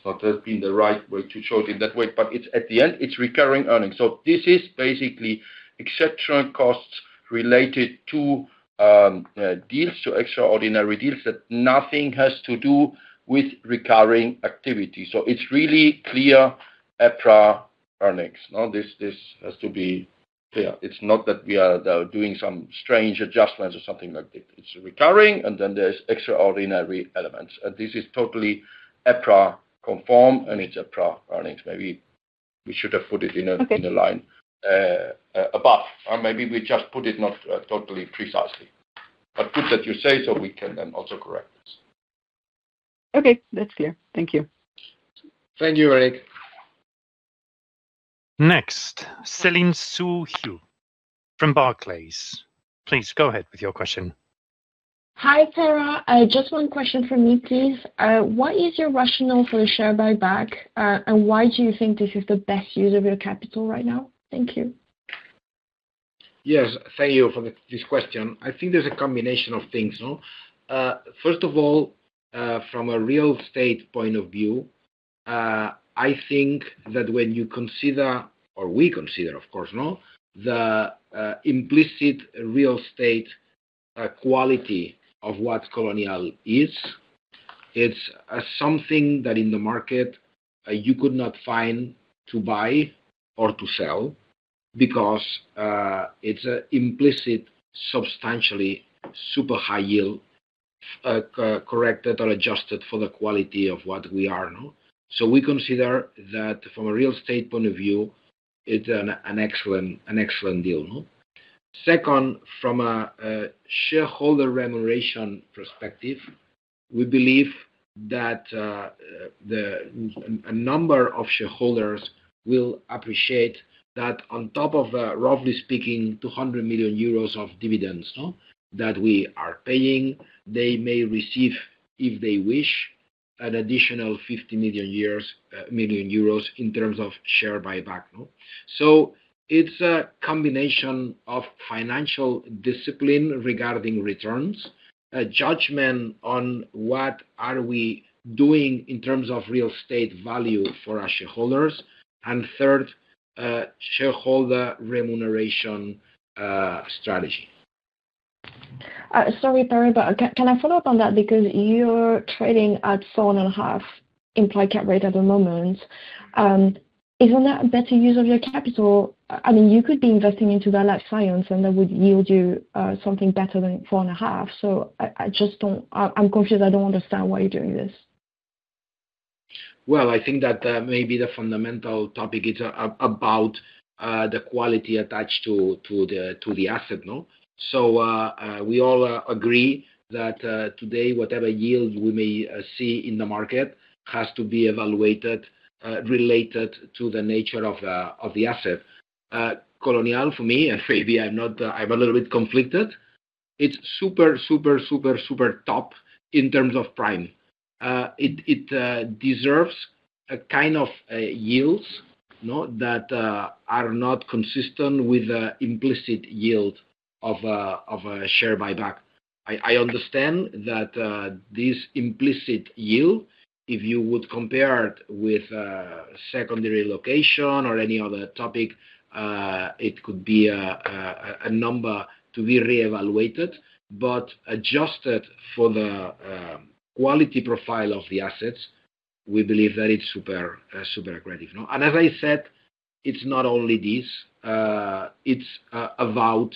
Maybe it's not helping the right way to show it in that way, but it's, at the end, it's recurring earnings. This is basically exceptional costs related to deals, to extraordinary deals, that nothing has to do with recurring activity. It's really clear EPRA earnings, no? This has to be clear. It's not that we are doing some strange adjustments or something like this. It's recurring. There's extraordinary elements. This is totally EPRA conformed. It's EPRA earnings. Maybe we should have put it in. Okay... in a line, above, or maybe we just put it not, totally precisely. Good that you say, so we can then also correct this. Okay. That's clear. Thank you. Thank you, Eric. Next, Céline Soo-Huynh from Barclays. Please go ahead with your question. Hi, Pere. Just one question from me, please. What is your rationale for the share buyback, and why do you think this is the best use of your capital right now? Thank you. Yes, thank you for this question. I think there's a combination of things, no? First of all, from a real estate point of view, I think that when you consider, or we consider, of course, no, the implicit real estate quality of what Colonial is, it's something that in the market, you could not find to buy or to sell because it's an implicit, substantially, super high yield, corrected or adjusted for the quality of what we are, no? We consider that from a real estate point of view, it's an excellent deal, no? Second, from a shareholder remuneration perspective, we believe that a number of shareholders will appreciate that on top of roughly speaking, 200 million euros of dividends, no, that we are paying, they may receive, if they wish, an additional 50 million euros in terms of share buyback, no. It's a combination of financial discipline regarding returns, a judgment on what are we doing in terms of real estate value for our shareholders, and third, shareholder remuneration strategy. Sorry, Pere, can I follow up on that? Because you're trading at 4.5 implied cap rate at the moment. Isn't that a better use of your capital? I mean, you could be investing into the life science, and that would yield you something better than 4.5. I'm confused. I don't understand why you're doing this. I think that maybe the fundamental topic is about the quality attached to the asset, no. We all agree that today, whatever yield we may see in the market has to be evaluated related to the nature of the asset. Colonial, for me, and maybe I'm not, I'm a little bit conflicted, it's super, super top in terms of prime. It deserves a kind of yields, no, that are not consistent with the implicit yield of a share buyback. I understand that this implicit yield, if you would compare it with a secondary location or any other topic, it could be a number to be reevaluated. Adjusted for the quality profile of the assets, we believe that it's super creative, no. As I said, it's not only this. It's about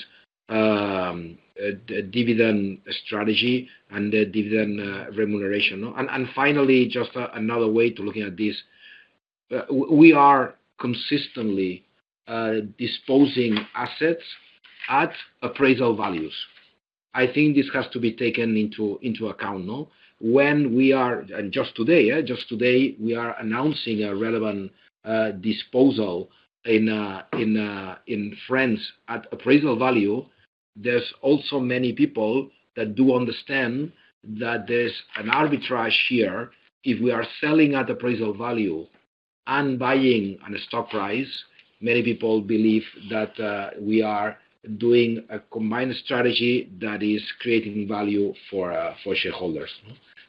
a dividend strategy and the dividend remuneration, no. Finally, just another way to looking at this, we are consistently disposing assets at appraisal values. I think this has to be taken into account, no. When we are, and just today, we are announcing a relevant disposal in France at appraisal value. There's also many people that do understand that there's an arbitrage here. If we are selling at appraisal value and buying on a stock price. Many people believe that we are doing a combined strategy that is creating value for shareholders.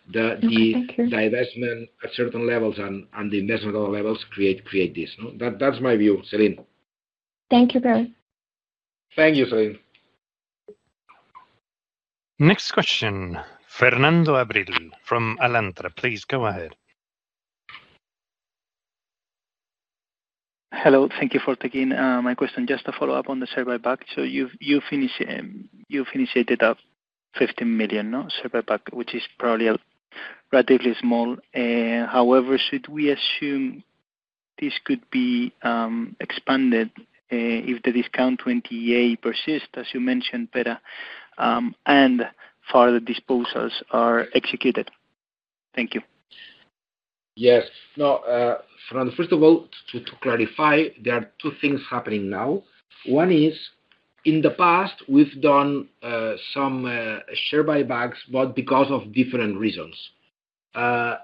Okay, thank you. The divestment at certain levels and the investment levels create this, no? That's my view, Celine. Thank you, Pere. Thank you, Celine. Next question, Fernando Abril-Martorell from Alantra. Please, go ahead. Hello, thank you for taking my question. Just a follow-up on the share buyback. You've finished, you've initiated up 50 million, no? Share buyback, which is probably relatively small. However, should we assume this could be expanded if the discount to NAV persist, as you mentioned, Pere, and further disposals are executed? Thank you. Yes. No, Fernando, first of all, to clarify, there are 2 things happening now. One is, in the past, we've done some share buybacks, but because of different reasons. Out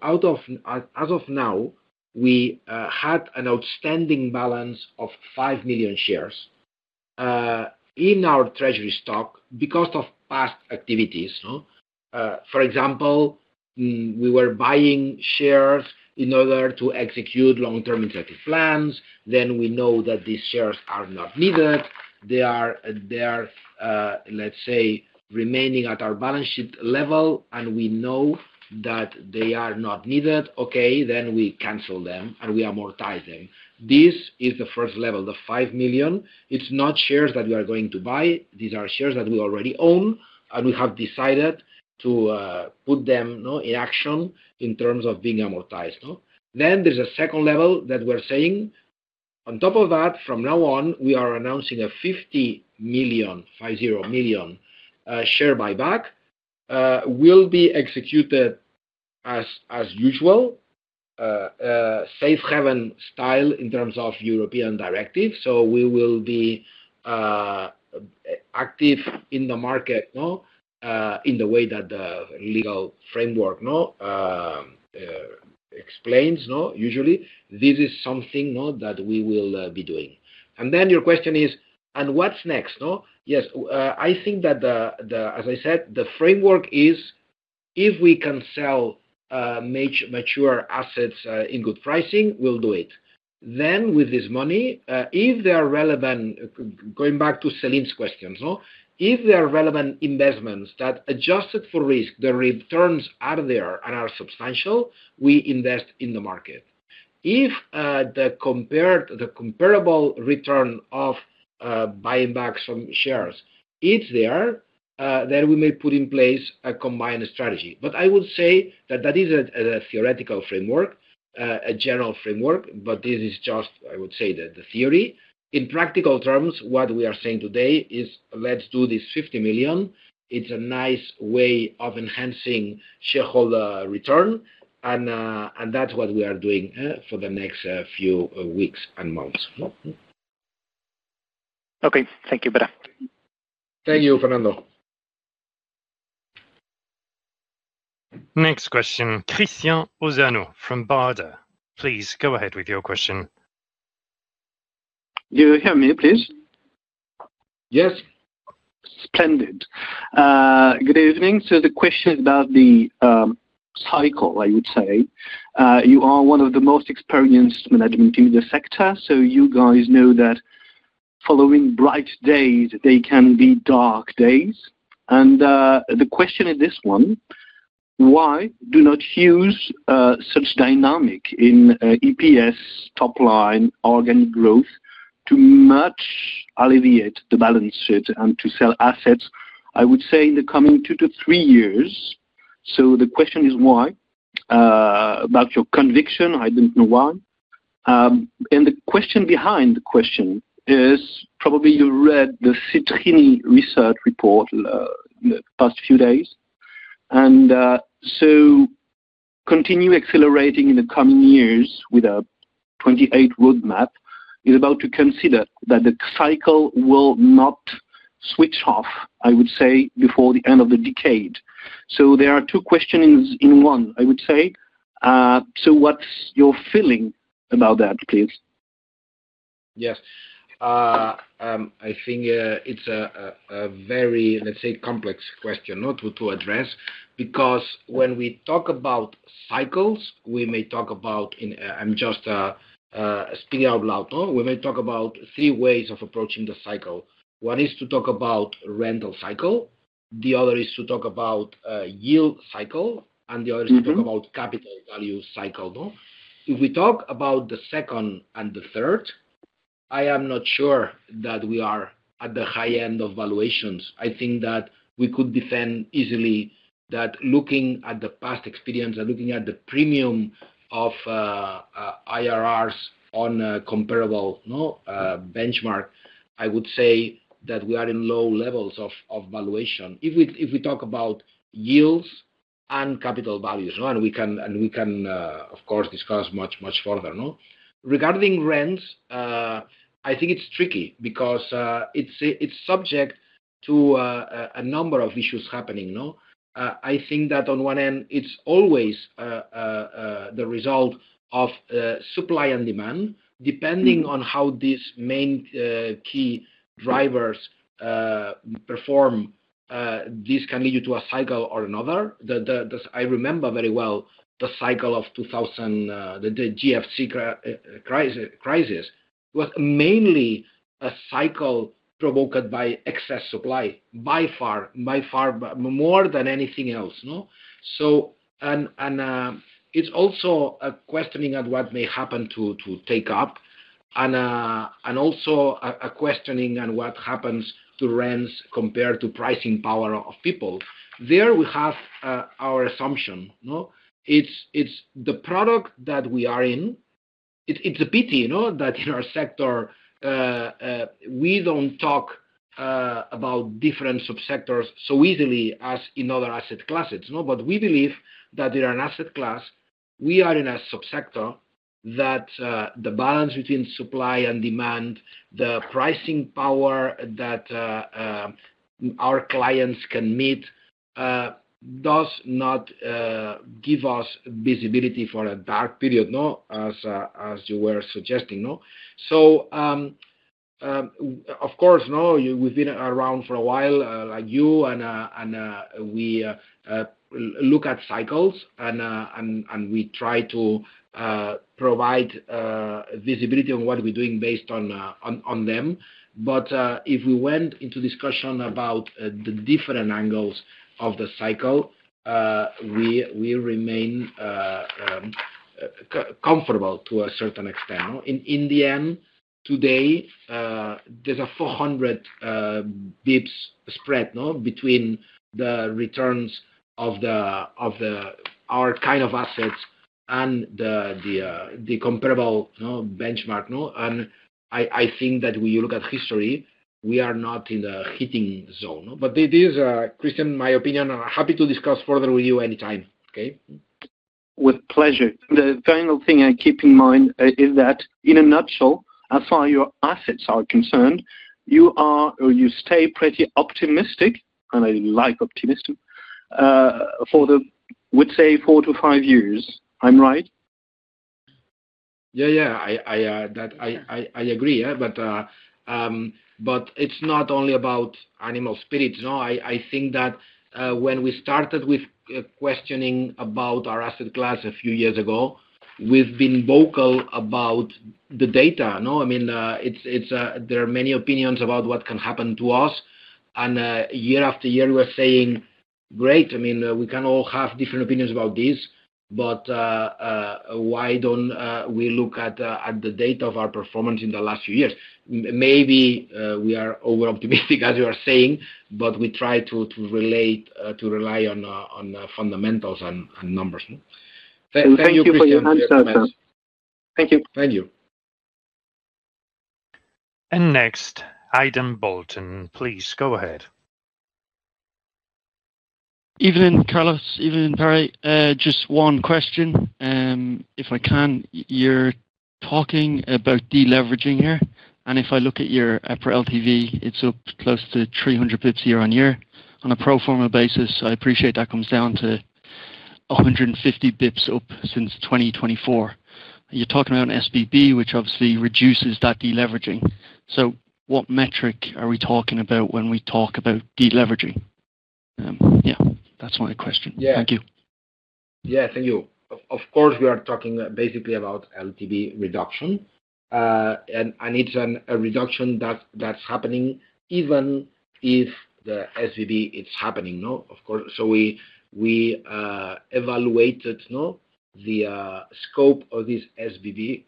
of, as of now, we had an outstanding balance of 5 million shares in our treasury stock because of past activities, no? For example, we were buying shares in order to execute long-term executive plans, then we know that these shares are not needed. They are, let's say, remaining at our balance sheet level, and we know that they are not needed. Okay, we cancel them, and we amortize them. This is the first level, the 5 million. It's not shares that we are going to buy. These are shares that we already own, we have decided to put them in action in terms of being amortized. There's a second level that we're saying. On top of that, from now on, we are announcing a 50 million share buyback will be executed as usual, safe haven style in terms of European directive. We will be active in the market. In the way that the legal framework explains. Usually, this is something that we will be doing. Your question is, what's next? Yes, I think that the, as I said, the framework is if we can sell mature assets in good pricing, we'll do it. Then with this money, if they are relevant, going back to Celine's questions, no? If there are relevant investments that adjusted for risk, the returns are there and are substantial, we invest in the market. If, the comparable return of buying back some shares is there, then we may put in place a combined strategy. But I would say that that is a theoretical framework, a general framework, but this is just, I would say, the theory. In practical terms, what we are saying today is, let's do this 50 million. It's a nice way of enhancing shareholder return, and that's what we are doing for the next few weeks and months, no? Okay. Thank you, Pere. Thank you, Fernando. Next question, Christian Ozanu from Barda. Please, go ahead with your question. Do you hear me, please? Yes. Splendid. Good evening. The question about the cycle, I would say, you are one of the most experienced management in the sector, so you guys know that following bright days, there can be dark days. The question in this one, why do not use such dynamic in EPS, top line, organic growth, to much alleviate the balance sheet and to sell assets, I would say, in the coming 2-3 years? The question is why about your conviction, I don't know why. The question behind the question is, probably you read the Citrini Research report in the past few days, continue accelerating in the coming years with a 2028 roadmap is about to consider that the cycle will not switch off, I would say, before the end of the decade. There are 2 questions in one, I would say. What's your feeling about that, please? Yes. I think it's a very, let's say, complex question, no, to address, because when we talk about cycles, we may talk about in, I'm just speaking out loud, no? We may talk about 3 ways of approaching the cycle. One is to talk about rental cycle, the other is to talk about yield cycle, and the other- Mm-hmm... is to talk about capital value cycle, no? If we talk about the second and the third, I am not sure that we are at the high end of valuations. I think that we could defend easily that looking at the past experience and looking at the premium of IRRs on a comparable, no, benchmark, I would say that we are in low levels of valuation. If we talk about yields and capital values, right? And we can, of course, discuss much, much further, no? Regarding rents, I think it's tricky because it's subject to a number of issues happening, no? I think that on one end, it's always the result of supply and demand. Depending on how these main key drivers perform, this can lead you to a cycle or another. I remember very well the cycle of 2000, the GFC crisis. Was mainly a cycle provoked by excess supply, by far, more than anything else, no? And it's also a questioning of what may happen to take up, and also a questioning on what happens to rents compared to pricing power of people. There we have our assumption, no? It's the product that we are in. It's a pity, you know, that in our sector we don't talk about different subsectors so easily as in other asset classes, no? We believe that in an asset class, we are in a subsector that the balance between supply and demand, the pricing power that our clients can meet, does not give us visibility for a dark period, no, as you were suggesting, no? Of course, no, we've been around for a while, like you, and we look at cycles, and we try to provide visibility on what we're doing based on on them. If we went into discussion about the different angles of the cycle, we remain comfortable to a certain extent, no. In the end, today, there's a 400 basis points spread, no, between the returns of the, of the... our kind of assets and the comparable, no, benchmark, no. I think that when you look at history, we are not in the hitting zone. It is Christian, my opinion, and I'm happy to discuss further with you anytime. Okay? With pleasure. The final thing I keep in mind, is that in a nutshell, as far your assets are concerned, you are, or you stay pretty optimistic, and I like optimistic, for the, we'd say, 4 to 5 years. I'm right? Yeah, I agree, but it's not only about animal spirits, no. I think that when we started with questioning about our asset class a few years ago, we've been vocal about the data, no. I mean, it's, there are many opinions about what can happen to us. Year after year, we're saying, "Great, I mean, we can all have different opinions about this, but why don't we look at the data of our performance in the last few years?" Maybe we are over-optimistic, as you are saying, but we try to relate to rely on fundamentals and numbers, no. Thank you for your answer. Thank you. Thank you. Next, Aidan Bolton. Please, go ahead. Evening, Carlos. Evening, Pere. Just one question, if I can. You're talking about deleveraging here. If I look at your LTV, it's up close to 300 basis points year-on-year. On a pro forma basis, I appreciate that comes down to 150 basis points up since 2024. You're talking about an SBB, which obviously reduces that deleveraging. What metric are we talking about when we talk about deleveraging? Yeah, that's my question. Yeah. Thank you. Yeah, thank you. Of course, we are talking basically about LTV reduction, and it's a reduction that's happening even if the SBB is happening, no. Of course. We evaluated, the scope of this SBB,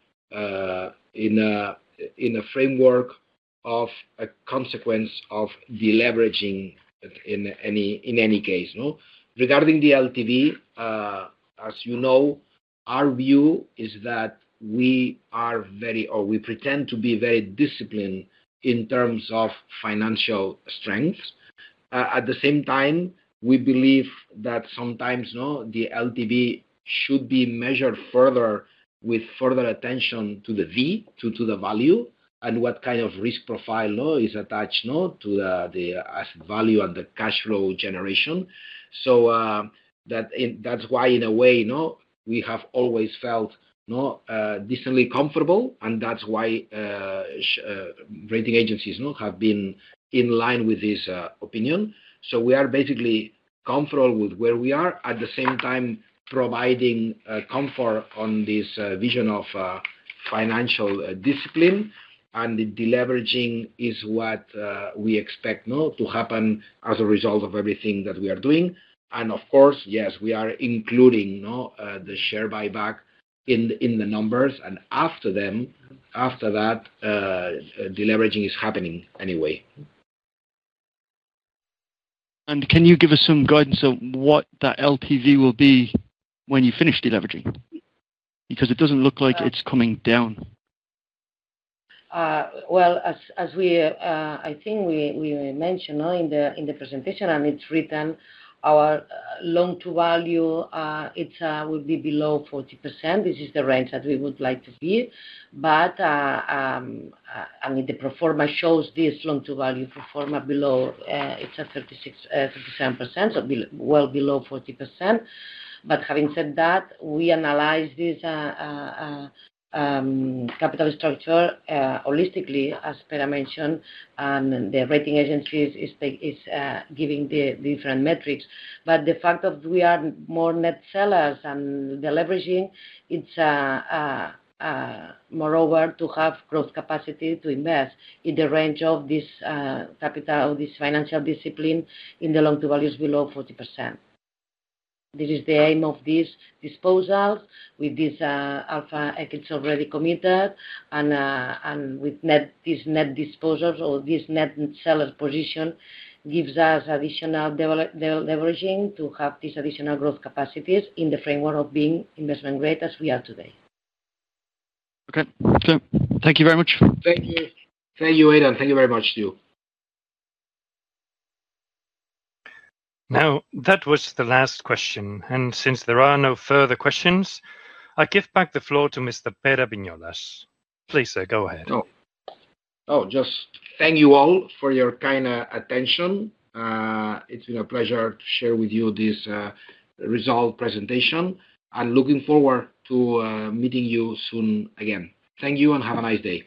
in a framework of a consequence of deleveraging in any case, no. Regarding the LTV, as you know, our view is that we are very, or we pretend to be very disciplined in terms of financial strengths. At the same time, we believe that sometimes, the LTV should be measured further with further attention to the V, to the value, and what kind of risk profile is attached to the asset value and the cash flow generation. That's why in a way, no, we have always felt, no, decently comfortable, and that's why rating agencies, no, have been in line with this opinion. We are basically comfortable with where we are, at the same time, providing comfort on this vision of financial discipline, and the deleveraging is what we expect, no, to happen as a result of everything that we are doing. Of course, yes, we are including, no, the share buyback in the numbers, and after them, after that, deleveraging is happening anyway. Can you give us some guidance on what that LTV will be when you finish deleveraging? Because it doesn't look like it's coming down. Well, as we, I think we mentioned, no, in the presentation, and it's written, our loan-to-value, it will be below 40%. This is the range that we would like to see. I mean, the pro forma shows this loan-to-value pro forma below, it's a 36%-37%, so be well below 40%. Having said that, we analyze this capital structure holistically, as Pere mentioned, and the rating agencies is giving the different metrics. The fact of we are more net sellers and deleveraging, it's moreover, to have growth capacity to invest in the range of this capital, this financial discipline in the loan-to-values below 40%. This is the aim of this disposal with this alpha equity already committed, and with this net disposals or this net seller position gives us additional deleveraging to have these additional growth capacities in the framework of being investment grade as we are today. Okay. Thank you very much. Thank you. Thank you, Aidan. Thank you very much to you. That was the last question, and since there are no further questions, I give back the floor to Mr. Pere Viñolas. Please, sir, go ahead. Just thank you all for your kind attention. It's been a pleasure to share with you this result presentation, and looking forward to meeting you soon again. Thank you and have a nice day.